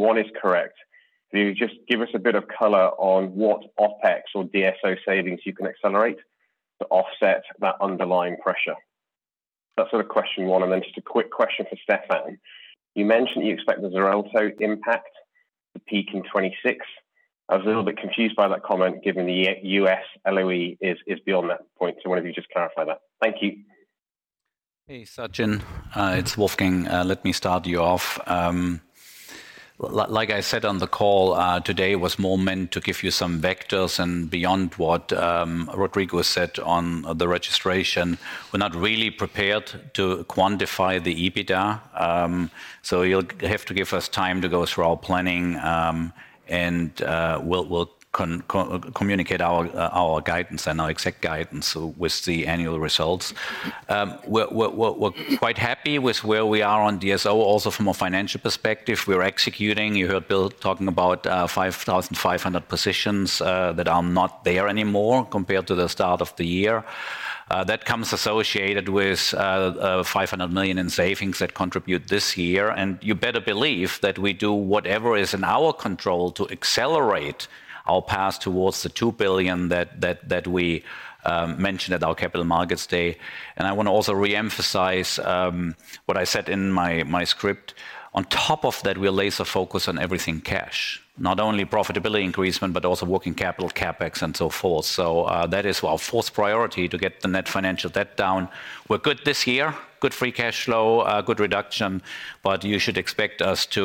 one is correct, if you just give us a bit of color on what OpEx or DSO savings you can accelerate to offset that underlying pressure. That's sort of question one. And then just a quick question for Stefan. You mentioned you expect the Xarelto impact, the peak in 2026. I was a little bit confused by that comment given the U.S. LOE is beyond that point. So I wanted you to just clarify that. Thank you. Hey, Sachin. It's Wolfgang. Let me start you off. Like I said on the call today, it was more meant to give you some vectors and beyond what Rodrigo said on the registration. We're not really prepared to quantify the EBITDA. So you'll have to give us time to go through our planning. We'll communicate our guidance and our exact guidance with the annual results. We're quite happy with where we are on DSO, also from a financial perspective. We're executing. You heard Bill talking about 5,500 positions that are not there anymore compared to the start of the year. That comes associated with 500 million in savings that contribute this year. And you better believe that we do whatever is in our control to accelerate our path towards the two billion that we mentioned at our capital markets day. And I want to also re-emphasize what I said in my script. On top of that, we'll laser focus on everything cash, not only profitability increasement, but also working capital CapEx and so forth. So that is our fourth priority to get the net financial debt down. We're good this year, good free cash flow, good reduction. But you should expect us to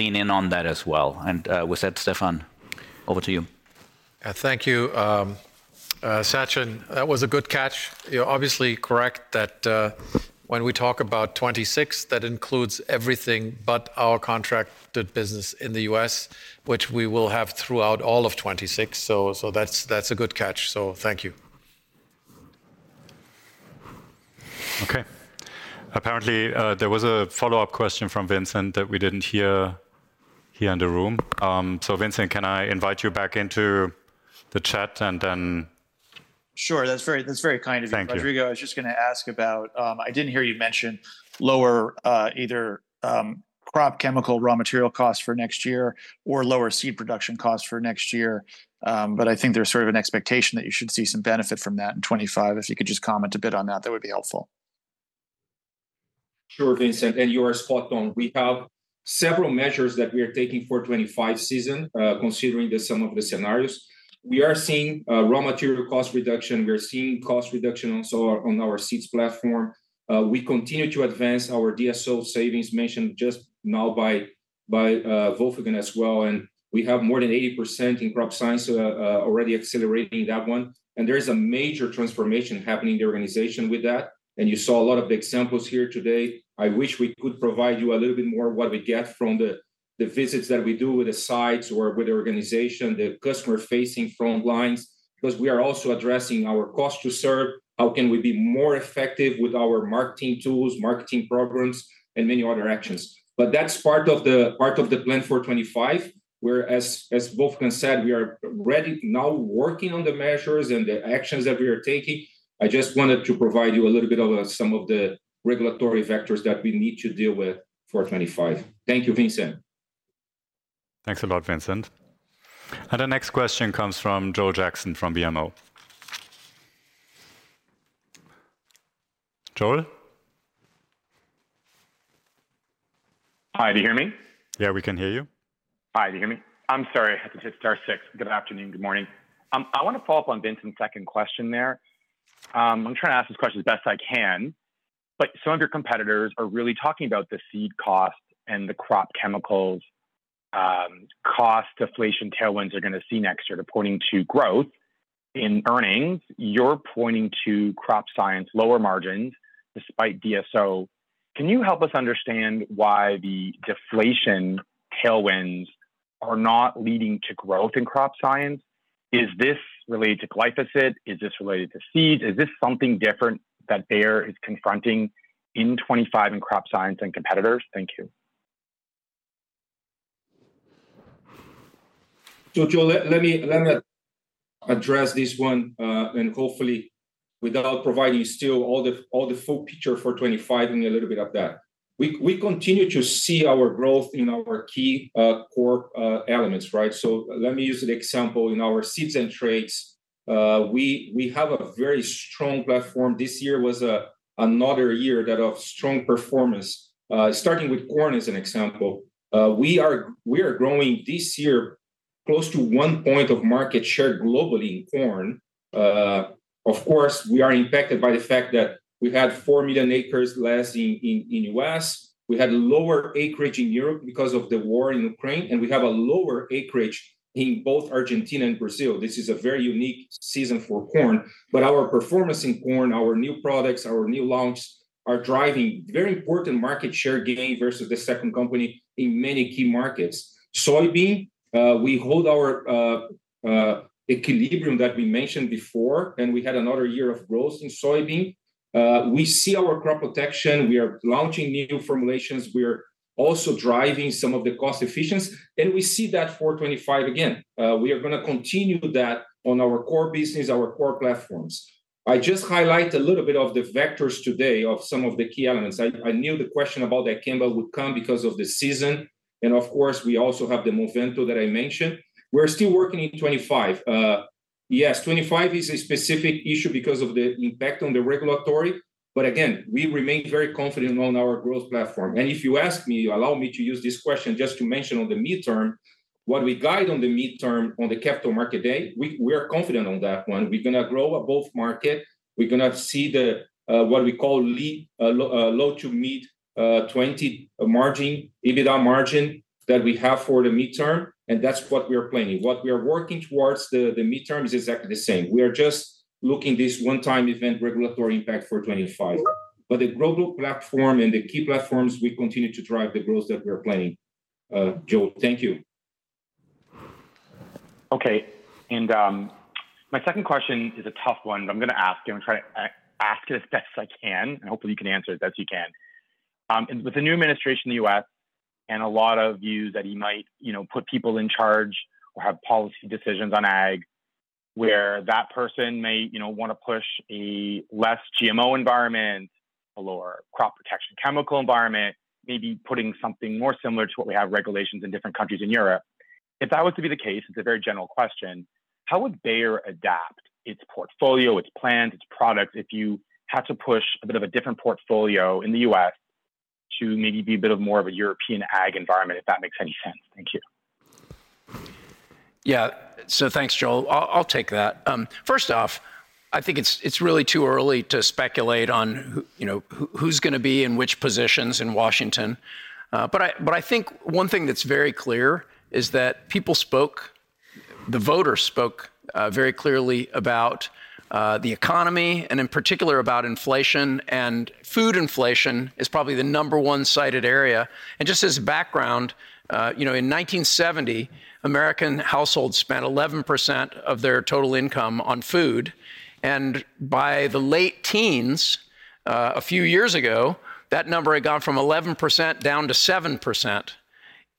lean in on that as well. And with that, Stefan, over to you. Thank you, Sachin. That was a good catch. You're obviously correct that when we talk about 2026, that includes everything but our contracted business in the U.S., which we will have throughout all of 2026. So that's a good catch. So thank you. Okay. Apparently, there was a follow-up question from Vincent that we didn't hear here in the room. So Vincent, can I invite you back into the chat and then. Sure. That's very kind of you, Rodrigo. I was just going to ask about. I didn't hear you mention lower either crop chemical raw material costs for next year or lower seed production costs for next year. But I think there's sort of an expectation that you should see some benefit from that in 2025. If you could just comment a bit on that, that would be helpful. Sure, Vincent. And you are spot on. We have several measures that we are taking for the 2025 season, considering some of the scenarios. We are seeing raw material cost reduction. We're seeing cost reduction also on our seeds platform. We continue to advance our DSO savings mentioned just now by Wolfgang as well. And we have more than 80% in crop science already accelerating that one. And there's a major transformation happening in the organization with that. And you saw a lot of the examples here today. I wish we could provide you a little bit more of what we get from the visits that we do with the sites or with the organization, the customer-facing front lines, because we are also addressing our cost to serve. How can we be more effective with our marketing tools, marketing programs, and many other actions? But that's part of the plan for 2025, whereas Wolfgang said, we are ready now working on the measures and the actions that we are taking. I just wanted to provide you a little bit of some of the regulatory vectors that we need to deal with for 2025. Thank you, Vincent. Thanks a lot, Vincent. And the next question comes from Joel Jackson from BMO. Joel? Hi, do you hear me? Yeah, we can hear you. Hi, do you hear me? I'm sorry. It's our side. Good afternoon. Good morning. I want to follow up on Vincent's second question there. I'm trying to ask this question as best I can. But some of your competitors are really talking about the seed cost and the crop chemicals cost deflation tailwinds they're going to see next year according to growth in earnings. You're pointing to crop science lower margins despite DSO. Can you help us understand why the deflation tailwinds are not leading to growth in crop science? Is this related to glyphosate? Is this related to seeds? Is this something different that Bayer is confronting in 2025 in crop science and competitors? Thank you. So Joel, let me address this one and hopefully without providing still all the full picture for 2025 and a little bit of that. We continue to see our growth in our key core elements, right? So let me use the example in our seeds and traits. We have a very strong platform. This year was another year of strong performance. Starting with corn as an example, we are growing this year close to one point of market share globally in corn. Of course, we are impacted by the fact that we had 4 million acres less in the U.S. We had lower acreage in Europe because of the war in Ukraine, and we have a lower acreage in both Argentina and Brazil. This is a very unique season for corn, but our performance in corn, our new products, our new launch are driving very important market share gain versus the second company in many key markets. Soybean, we hold our equilibrium that we mentioned before, and we had another year of growth in soybean. We see our crop protection. We are launching new formulations, and we are also driving some of the cost efficiency, and we see that for 2025 again. We are going to continue that on our core business, our core platforms. I just highlight a little bit of the vectors today of some of the key elements. I knew the question about dicamba would come because of the season. And of course, we also have the Movento that I mentioned. We're still working on 2025. Yes, 2025 is a specific issue because of the impact on the regulatory. But again, we remain very confident on our growth platform. And if you ask me, allow me to use this question just to mention on the mid-term, what we guide on the mid-term on the capital market day, we are confident on that one. We're going to grow above market. We're going to see what we call low- to mid-20s margin, EBITDA margin that we have for the mid-term. And that's what we are planning. What we are working towards the mid-term is exactly the same. We are just looking at this one-time event regulatory impact for 2025. But the global platform and the key platforms, we continue to drive the growth that we are planning. Joel, thank you. Okay. And my second question is a tough one, but I'm going to ask it. I'm going to try to ask it as best as I can. And hopefully, you can answer it as best as you can. With the new administration in the U.S. and a lot of views that you might put people in charge or have policy decisions on ag where that person may want to push a less GMO environment, a lower crop protection chemical environment, maybe putting something more similar to what we have regulations in different countries in Europe. If that was to be the case, it's a very general question. How would Bayer adapt its portfolio, its plans, its products if you had to push a bit of a different portfolio in the U.S. to maybe be a bit of more of a European ag environment, if that makes any sense? Thank you. Yeah. So thanks, Joel. I'll take that. First off, I think it's really too early to speculate on who's going to be in which positions in Washington. But I think one thing that's very clear is that people spoke, the voters spoke very clearly about the economy and in particular about inflation. And food inflation is probably the number one cited area. And just as background, in 1970, American households spent 11% of their total income on food. And by the late teens, a few years ago, that number had gone from 11% down to 7%.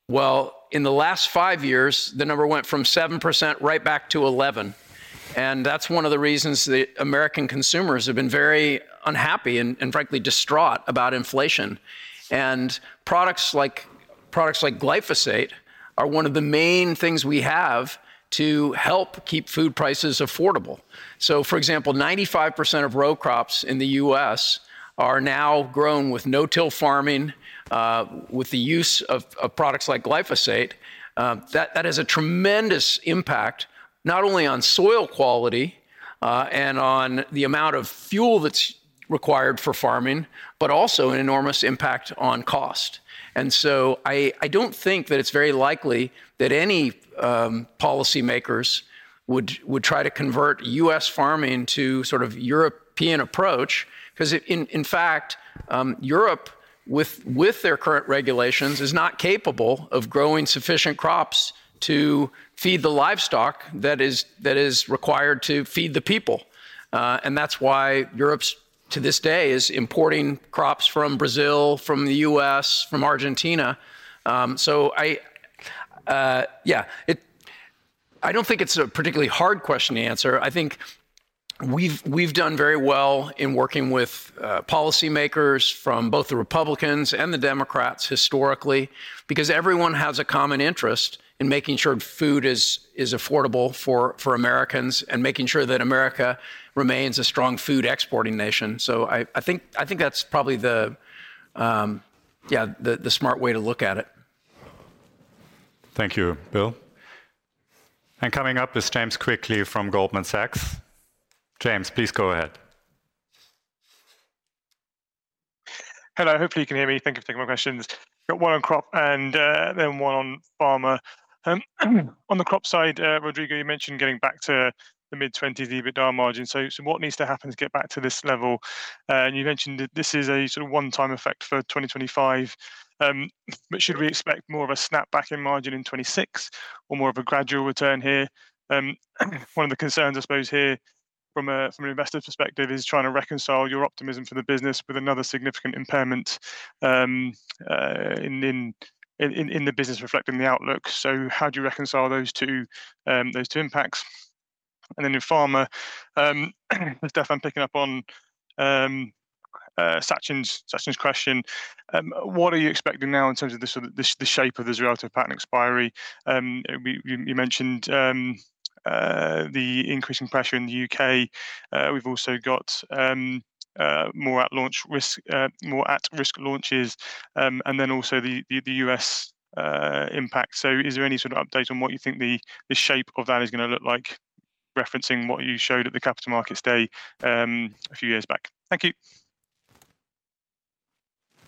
Well, in the last five years, the number went from 7% right back to 11%. And that's one of the reasons that American consumers have been very unhappy and frankly distraught about inflation. And products like glyphosate are one of the main things we have to help keep food prices affordable. So for example, 95% of row crops in the U.S. are now grown with no-till farming with the use of products like glyphosate. That has a tremendous impact not only on soil quality and on the amount of fuel that's required for farming, but also an enormous impact on cost. And so I don't think that it's very likely that any policymakers would try to convert U.S. farming to sort of European approach because, in fact, Europe with their current regulations is not capable of growing sufficient crops to feed the livestock that is required to feed the people. And that's why Europe to this day is importing crops from Brazil, from the U.S., from Argentina. So yeah, I don't think it's a particularly hard question to answer. I think we've done very well in working with policymakers from both the Republicans and the Democrats historically because everyone has a common interest in making sure food is affordable for Americans and making sure that America remains a strong food exporting nation. So I think that's probably the smart way to look at it. Thank you, Bill. And coming up is James Quigley from Goldman Sachs. James, please go ahead. Hello. Hopefully, you can hear me. Thank you for taking my questions. I've got one on crop and then one on farmer. On the crop side, Rodrigo, you mentioned getting back to the mid-20s EBITDA margin. So what needs to happen to get back to this level? And you mentioned that this is a sort of one-time effect for 2025. But should we expect more of a snap back in margin in 2026 or more of a gradual return here? One of the concerns, I suppose, here from an investor's perspective is trying to reconcile your optimism for the business with another significant impairment in the business reflecting the outlook. So how do you reconcile those two impacts? And then, in pharma, Stefan, picking up on Sachin's question, what are you expecting now in terms of the shape of the Xarelto patent expiry? You mentioned the increasing pressure in the U.K. We've also got more at-risk launches and then also the U.S. impact. So is there any sort of update on what you think the shape of that is going to look like, referencing what you showed at the Capital Markets Day a few years back? Thank you.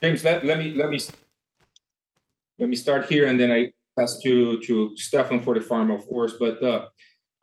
James, let me start here and then I pass to Stefan for the pharma, of course.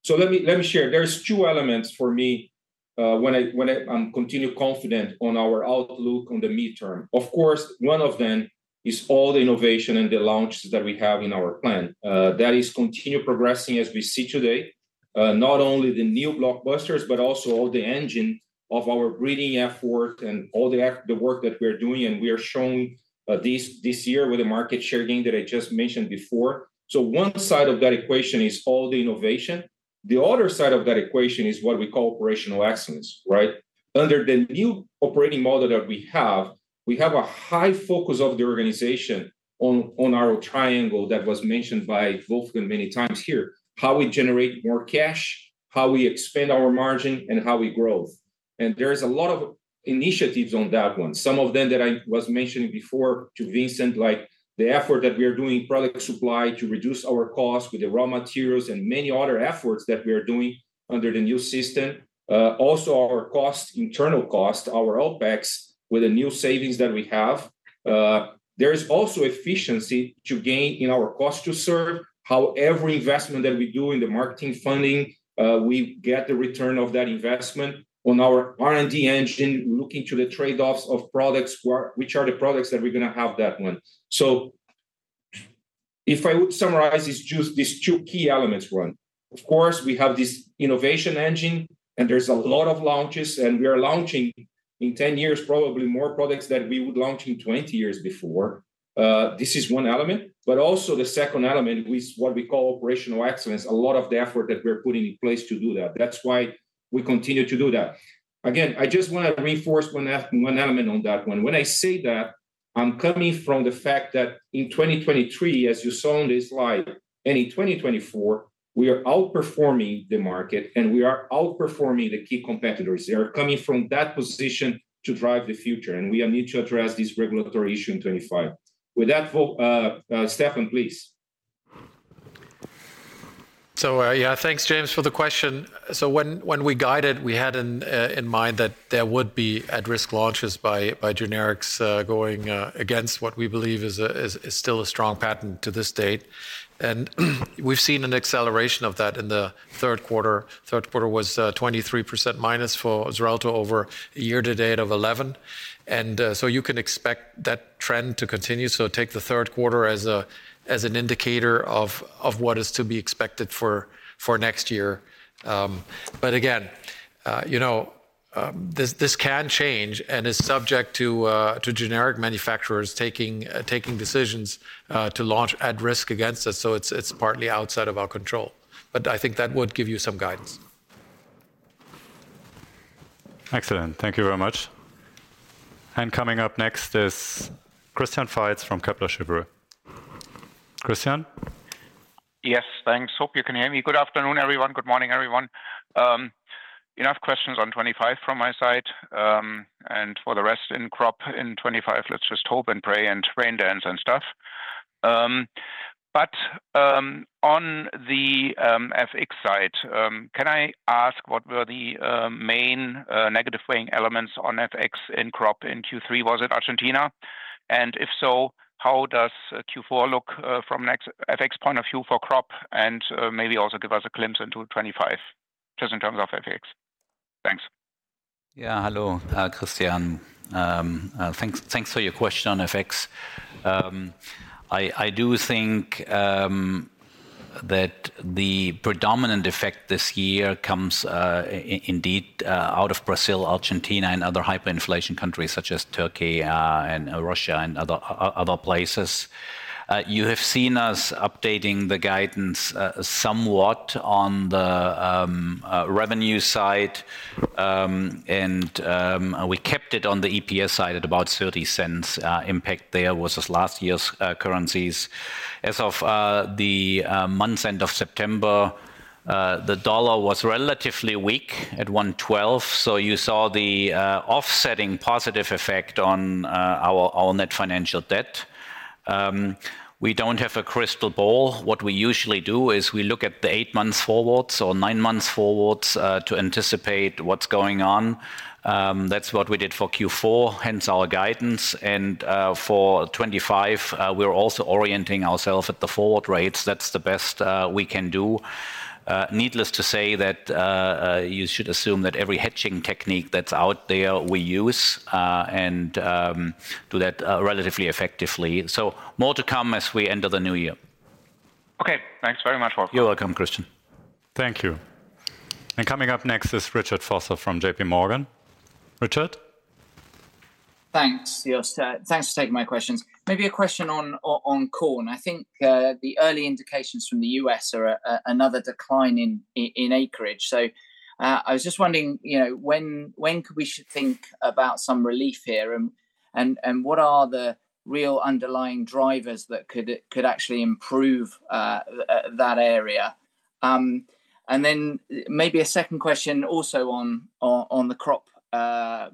So let me share. There are two elements for me when I remain confident on our outlook on the mid-term. Of course, one of them is all the innovation and the launches that we have in our plan. That is continuing to progress as we see today, not only the new blockbusters, but also the engine of our breeding efforts and all the work that we're doing. And we are showing this year with the market share gain that I just mentioned before. One side of that equation is all the innovation. The other side of that equation is what we call operational excellence, right? Under the new operating model that we have, we have a high focus of the organization on our triangle that was mentioned by Wolfgang many times here, how we generate more cash, how we expand our margin, and how we grow, and there's a lot of initiatives on that one. Some of them that I was mentioning before to Vincent, like the effort that we are doing product supply to reduce our cost with the raw materials and many other efforts that we are doing under the new system. Also, our internal cost, our OpEx with the new savings that we have. There is also efficiency to gain in our cost to serve. However, investment that we do in the marketing funding, we get the return of that investment on our R&D engine looking to the trade-offs of products, which are the products that we're going to have that month. So if I would summarize these two key elements, one, of course, we have this innovation engine, and there's a lot of launches. And we are launching in 10 years, probably more products than we would launch in 20 years before. This is one element. But also the second element is what we call operational excellence, a lot of the effort that we're putting in place to do that. That's why we continue to do that. Again, I just want to reinforce one element on that one. When I say that, I'm coming from the fact that in 2023, as you saw on this slide, and in 2024, we are outperforming the market, and we are outperforming the key competitors. They are coming from that position to drive the future. And we need to address this regulatory issue in 2025. With that, Stefan, please. So yeah, thanks, James, for the question. So when we guided it, we had in mind that there would be at-risk launches by generics going against what we believe is still a strong patent to this date. And we've seen an acceleration of that in the third quarter. Third quarter was -23% for Xarelto over a year to date of -11%. And so you can expect that trend to continue. So take the third quarter as an indicator of what is to be expected for next year. But again, this can change and is subject to generic manufacturers taking decisions to launch at risk against us. So it's partly outside of our control. But I think that would give you some guidance. Excellent. Thank you very much. And coming up next is Christian Faitz from Kepler Cheuvreux. Christian? Yes, thanks. Hope you can hear me. Good afternoon, everyone. Good morning, everyone. Enough questions on 2025 from my side. And for the rest in crop in 2025, let's just hope and pray and rain dance and stuff. But on the FX side, can I ask what were the main negative weighing elements on FX in crop in Q3? Was it Argentina? And if so, how does Q4 look from FX point of view for crop? And maybe also give us a glimpse into 2025 just in terms of FX. Thanks. Yeah, hello, Christian. Thanks for your question on FX. I do think that the predominant effect this year comes indeed out of Brazil, Argentina, and other hyperinflation countries such as Turkey and Russia and other places. You have seen us updating the guidance somewhat on the revenue side. And we kept it on the EPS side at about €0.30 impact there versus last year's currencies. As of the month's end of September, the dollar was relatively weak at 112. So you saw the offsetting positive effect on our net financial debt. We don't have a crystal ball. What we usually do is we look at the eight months forwards or nine months forwards to anticipate what's going on. That's what we did for Q4, hence our guidance. And for 2025, we're also orienting ourselves at the forward rates. That's the best we can do. Needless to say that you should assume that every hedging technique that's out there we use and do that relatively effectively. So more to come as we enter the new year. Okay, thanks very much. You're welcome, Christian. Thank you. And coming up next is Richard Vosser from JP Morgan. Richard? Thanks. Thanks for taking my questions. Maybe a question on corn. I think the early indications from the U.S. are another decline in acreage. So I was just wondering when we should think about some relief here and what are the real underlying drivers that could actually improve that area. And then maybe a second question also on the crop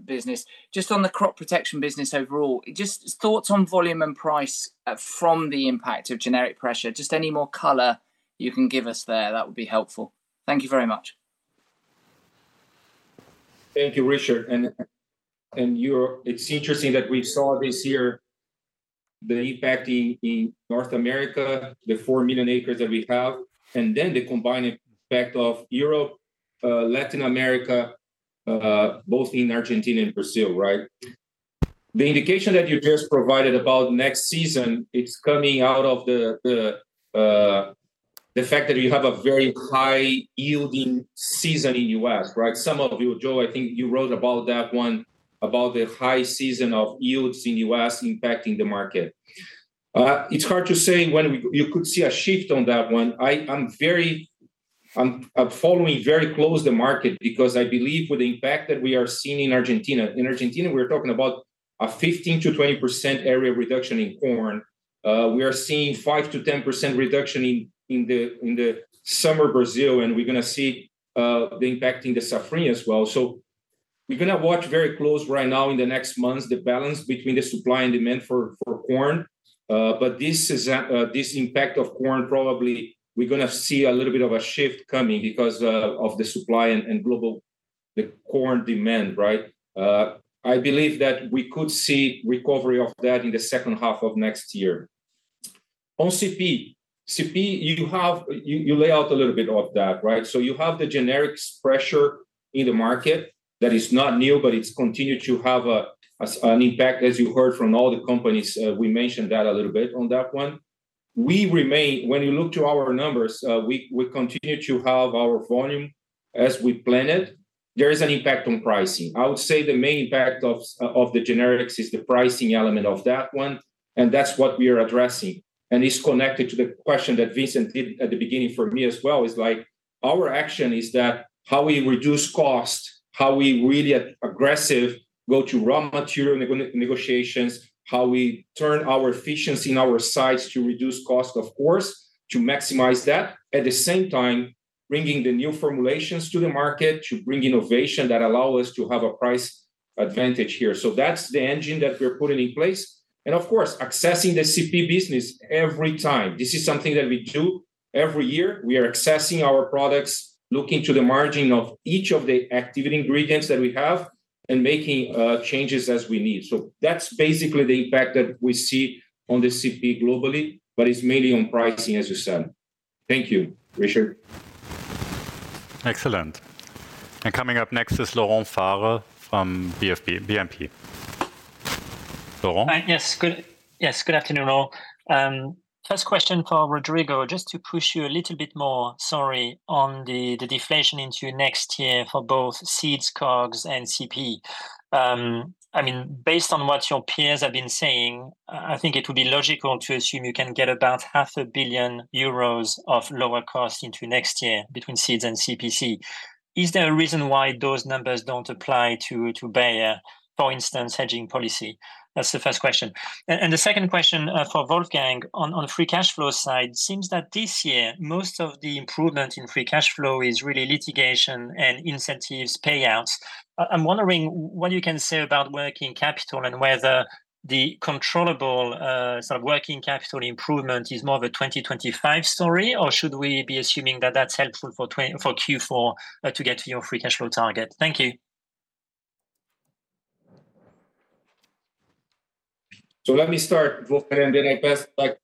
business, just on the crop protection business overall. Just thoughts on volume and price from the impact of generic pressure. Just any more color you can give us there, that would be helpful. Thank you very much. Thank you, Richard. And it's interesting that we saw this year, the impact in North America, the four million acres that we have, and then the combined impact of Europe, Latin America, both in Argentina and Brazil, right? The indication that you just provided about next season, it's coming out of the fact that you have a very high-yielding season in the U.S., right? Some of you, Joel, I think you wrote about that one, about the high season of yields in the U.S. impacting the market. It's hard to say when you could see a shift on that one. I'm following very close the market because I believe with the impact that we are seeing in Argentina, in Argentina, we're talking about a 15%-20% area reduction in corn. We are seeing 5%-10% reduction in the summer Brazil, and we're going to see the impact in the safrinha as well. So we're going to watch very close right now in the next months the balance between the supply and demand for corn. But this impact of corn, probably we're going to see a little bit of a shift coming because of the supply and global corn demand, right? I believe that we could see recovery of that in the second half of next year. On CP, you lay out a little bit of that, right? So you have the generic pressure in the market that is not new, but it's continued to have an impact, as you heard from all the companies. We mentioned that a little bit on that one. When you look to our numbers, we continue to have our volume as we planned. There is an impact on pricing. I would say the main impact of the generics is the pricing element of that one. And that's what we are addressing. And it's connected to the question that Vincent did at the beginning for me as well. It's like our action is that how we reduce cost, how we really aggressively go to raw material negotiations, how we turn our efficiency in our sites to reduce cost, of course, to maximize that. At the same time, bringing the new formulations to the market to bring innovation that allows us to have a price advantage here. So that's the engine that we're putting in place. And of course, assessing the CP business every time. This is something that we do every year. We are assessing our products, looking to the margin of each of the active ingredients that we have and making changes as we need. So that's basically the impact that we see on the CP globally, but it's mainly on pricing, as you said. Thank you, Richard. Excellent. And coming up next is Laurent Favre from BNP. Laurent? Yes, good afternoon, all. First question for Rodrigo, just to push you a little bit more, sorry, on the deflation into next year for both seeds, cogs, and CP. I mean, based on what your peers have been saying, I think it would be logical to assume you can get about 500 million euros of lower cost into next year between seeds and CPC. Is there a reason why those numbers don't apply to Bayer, for instance, hedging policy? That's the first question, and the second question for Wolfgang on the free cash flow side seems that this year, most of the improvement in free cash flow is really litigation and incentives payouts. I'm wondering what you can say about working capital and whether the controllable sort of working capital improvement is more of a 2025 story, or should we be assuming that that's helpful for Q4 to get to your free cash flow target? Thank you. So let me start, Wolfgang, and then I pass back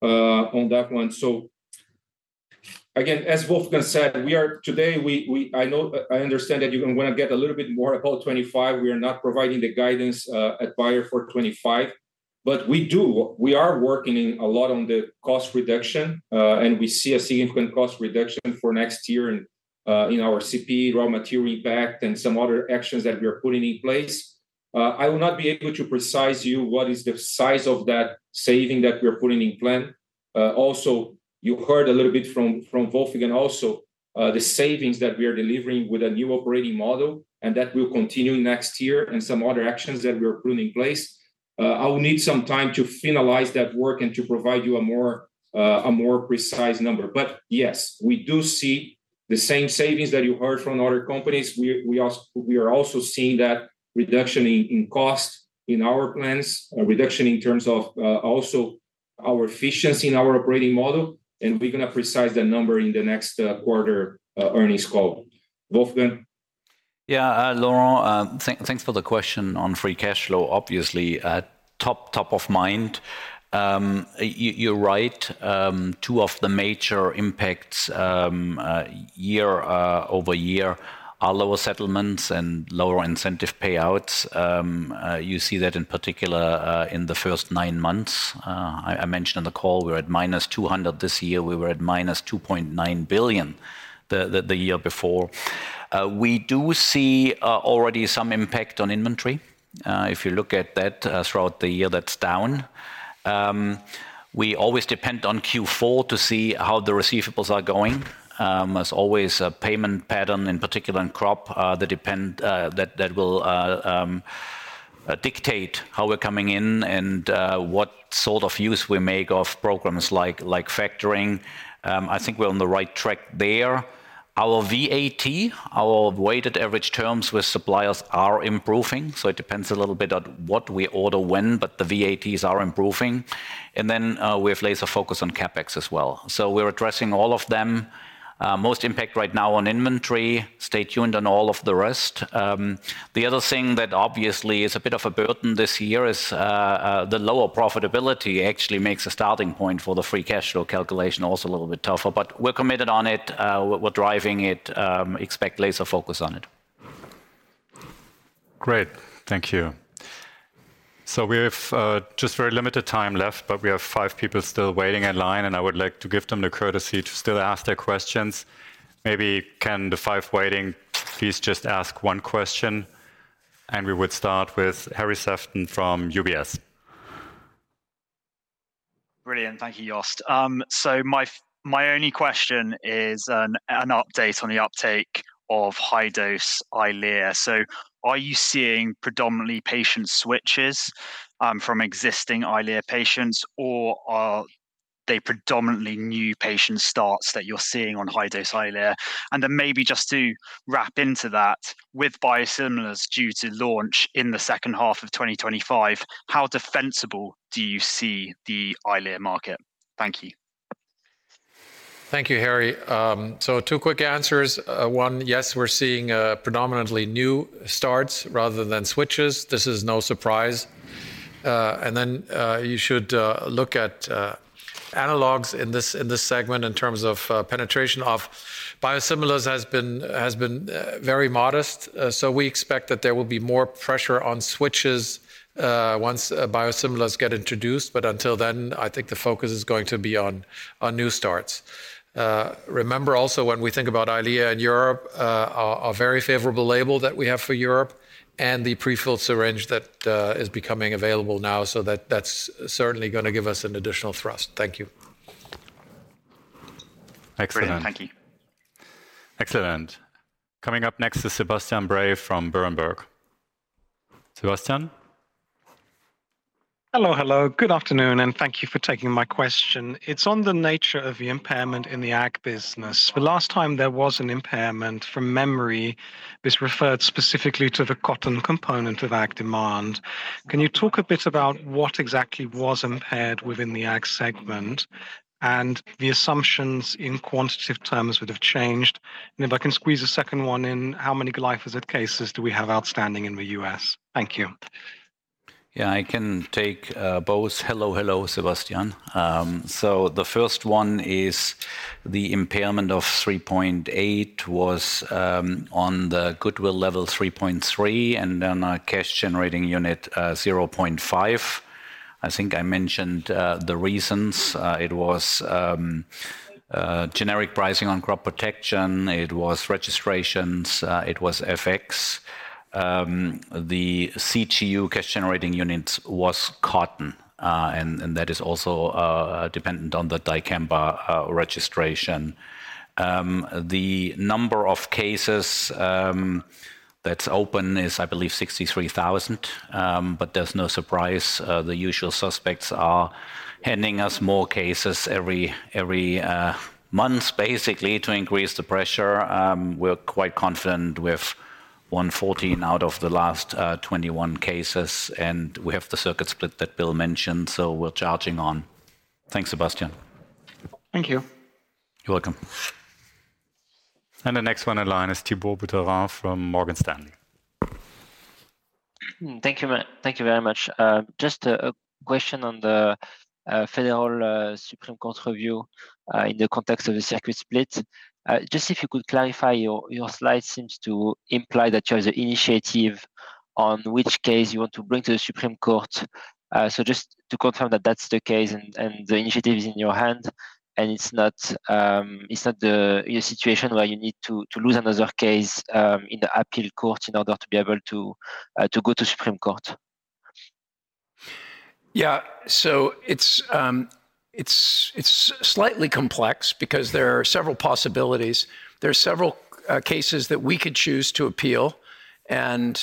on that one. So again, as Wolfgang said, today, I understand that you're going to get a little bit more about 2025. We are not providing the guidance at Bayer for 2025, but we do. We are working a lot on the cost reduction, and we see a significant cost reduction for next year in our CP, raw material impact, and some other actions that we are putting in place. I will not be able to specify to you what is the size of that savings that we are putting in place. Also, you heard a little bit from Wolfgang, also the savings that we are delivering with a new operating model and that will continue next year and some other actions that we are putting in place. I will need some time to finalize that work and to provide you a more precise number. But yes, we do see the same savings that you heard from other companies. We are also seeing that reduction in cost in our plans, a reduction in terms of also our efficiency in our operating model. And we're going to provide that number in the next quarter earnings call. Wolfgang? Yeah, Laurent, thanks for the question on free cash flow. Obviously, top of mind. You're right. Two of the major impacts year over year are lower settlements and lower incentive payouts. You see that in particular in the first nine months. I mentioned in the call, we were at -€200 million this year. We were at -€2.9 billion the year before. We do see already some impact on inventory. If you look at that throughout the year, that's down. We always depend on Q4 to see how the receivables are going. There's always a payment pattern, in particular in crop, that will dictate how we're coming in and what sort of use we make of programs like factoring. I think we're on the right track there. Our VAT, our weighted average terms with suppliers are improving. So it depends a little bit on what we order when, but the VATs are improving. And then we have laser focus on CapEx as well. So we're addressing all of them. Most impact right now on inventory. Stay tuned on all of the rest. The other thing that obviously is a bit of a burden this year is the lower profitability actually makes a starting point for the free cash flow calculation also a little bit tougher. But we're committed on it. We're driving it. Expect laser focus on it. Great. Thank you. So we have just very limited time left, but we have five people still waiting in line, and I would like to give them the courtesy to still ask their questions. Maybe can the five waiting please just ask one question? And we would start with Harry Sephton from UBS. Brilliant. Thank you, Jost. So my only question is an update on the uptake of high-dose Eylea. So are you seeing predominantly patient switches from existing Eylea patients, or are they predominantly new patient starts that you're seeing on high-dose Eylea? And then maybe just to wrap into that with biosimilars due to launch in the second half of 2025, how defensible do you see the Eylea market? Thank you. Thank you, Harry. So two quick answers. One, yes, we're seeing predominantly new starts rather than switches. This is no surprise. And then you should look at analogs in this segment in terms of penetration of biosimilars has been very modest. So we expect that there will be more pressure on switches once biosimilars get introduced. But until then, I think the focus is going to be on new starts. Remember also when we think about Eylea in Europe, a very favorable label that we have for Europe and the prefilled syringe that is becoming available now. So that's certainly going to give us an additional thrust. Thank you. Excellent. Thank you. Excellent. Coming up next is Sebastian Bray from Berenberg. Sebastian? Hello, hello. Good afternoon, and thank you for taking my question. It's on the nature of the impairment in the ag business. The last time there was an impairment from memory, this referred specifically to the cotton component of ag demand. Can you talk a bit about what exactly was impaired within the ag segment and the assumptions in quantitative terms would have changed? And if I can squeeze a second one in, how many glyphosate cases do we have outstanding in the U.S.? Thank you. Yeah, I can take both. Hello, hello, Sebastian. So the first one is the impairment of €3.8 billion was on the goodwill level €3.3 billion and then a cash generating unit €0.5 billion. I think I mentioned the reasons. It was generic pricing on crop protection. It was registrations. It was FX. The CGU cash generating units was cotton, and that is also dependent on the dicamba registration. The number of cases that's open is, I believe, 63,000, but there's no surprise. The usual suspects are handing us more cases every month, basically, to increase the pressure. We're quite confident with 114 out of the last 21 cases, and we have the circuit split that Bill mentioned, so we're charging on. Thanks, Sebastian. Thank you. You're welcome. The next one in line is Thibault Boutherin from Morgan Stanley. Thank you very much. Just a question on the US Supreme Court review in the context of the circuit split. Just if you could clarify, your slide seems to imply that you have the initiative on which case you want to bring to the US Supreme Court. So just to confirm that that's the case and the initiative is in your hand and it's not the situation where you need to lose another case in the appeal court in order to be able to go to Supreme Court. Yeah, so it's slightly complex because there are several possibilities. There are several cases that we could choose to appeal, and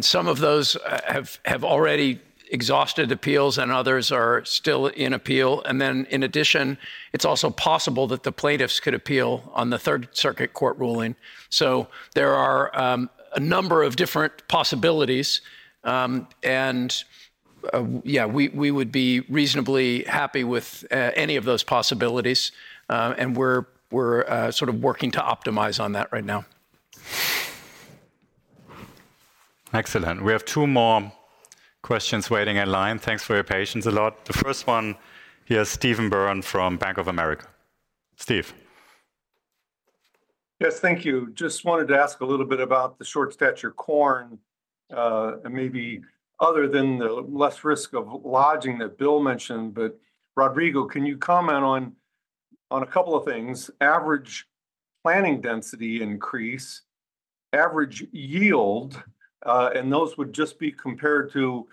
some of those have already exhausted appeals and others are still in appeal. And then in addition, it's also possible that the plaintiffs could appeal on the Third Circuit Court ruling. So there are a number of different possibilities. And yeah, we would be reasonably happy with any of those possibilities, and we're sort of working to optimize on that right now. Excellent. We have two more questions waiting in line. Thanks for your patience a lot. The first one here is Stephen Byrne from Bank of America. Stephen? Yes, thank you. Just wanted to ask a little bit about the short stature corn and maybe other than the less risk of lodging that Bill mentioned, but Rodrigo, can you comment on a couple of things? Average planting density increase, average yield, and those would just be compared to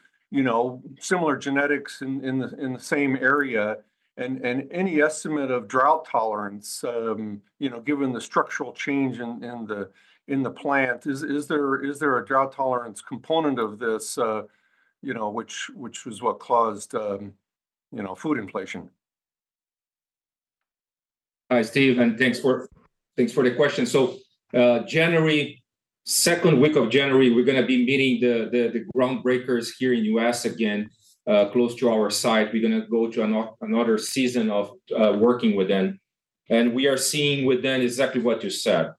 similar genetics in the same area, and any estimate of drought tolerance, given the structural change in the plant, is there a drought tolerance component of this, which was what caused food inflation? Hi, Steven, and thanks for the question, so second week of January, we're going to be meeting the Ground Breakers here in the U.S. again close to our site. We're going to go to another season of working with them. And we are seeing with them exactly what you said.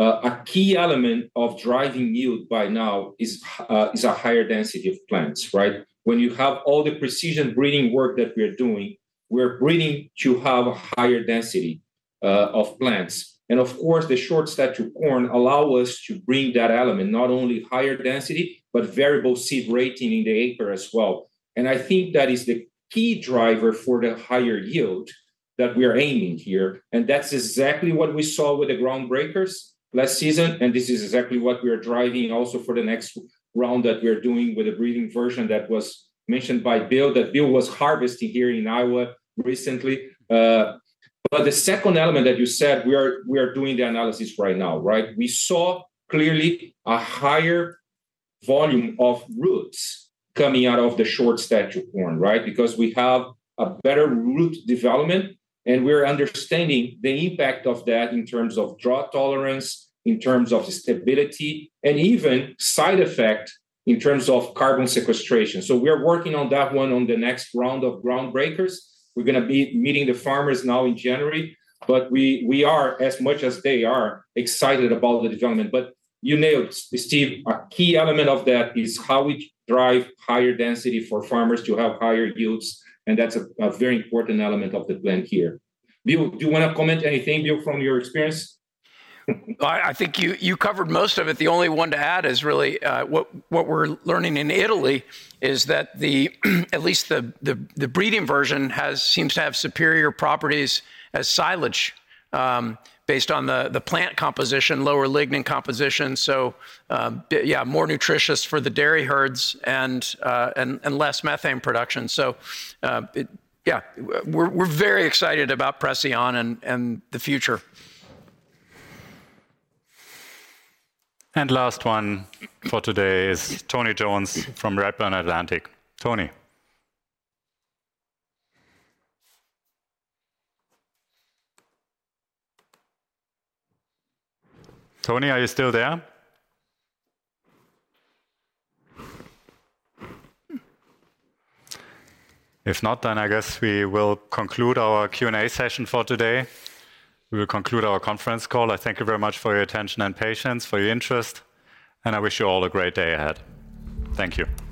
A key element of driving yield by now is a higher density of plants, right? When you have all the precision breeding work that we are doing, we're breeding to have a higher density of plants. And of course, the short stature corn allows us to bring that element, not only higher density, but variable seed rating in the acre as well. And I think that is the key driver for the higher yield that we are aiming here. And that's exactly what we saw with the Ground Breakers last season, and this is exactly what we are driving also for the next round that we are doing with the breeding version that was mentioned by Bill, that Bill was harvesting here in Iowa recently. But the second element that you said, we are doing the analysis right now, right? We saw clearly a higher volume of roots coming out of the short stature corn, right? Because we have a better root development, and we're understanding the impact of that in terms of drought tolerance, in terms of stability, and even side effect in terms of carbon sequestration. So we are working on that one on the next round of Ground Breakers. We're going to be meeting the farmers now in January, but we are, as much as they are, excited about the development. But you nailed it, Steve. A key element of that is how we drive higher density for farmers to have higher yields, and that's a very important element of the plan here. Bill, do you want to comment on anything, Bill, from your experience? I think you covered most of it. The only one to add is really what we're learning in Italy is that at least the breeding version seems to have superior properties as silage based on the plant composition, lower lignin composition. So yeah, more nutritious for the dairy herds and less methane production. So yeah, we're very excited about Preceon and the future. Last one for today is Tony Jones from Redburn Atlantic. Tony. Tony, are you still there? If not, then I guess we will conclude our Q&A session for today. We will conclude our conference call. I thank you very much for your attention and patience, for your interest, and I wish you all a great day ahead. Thank you.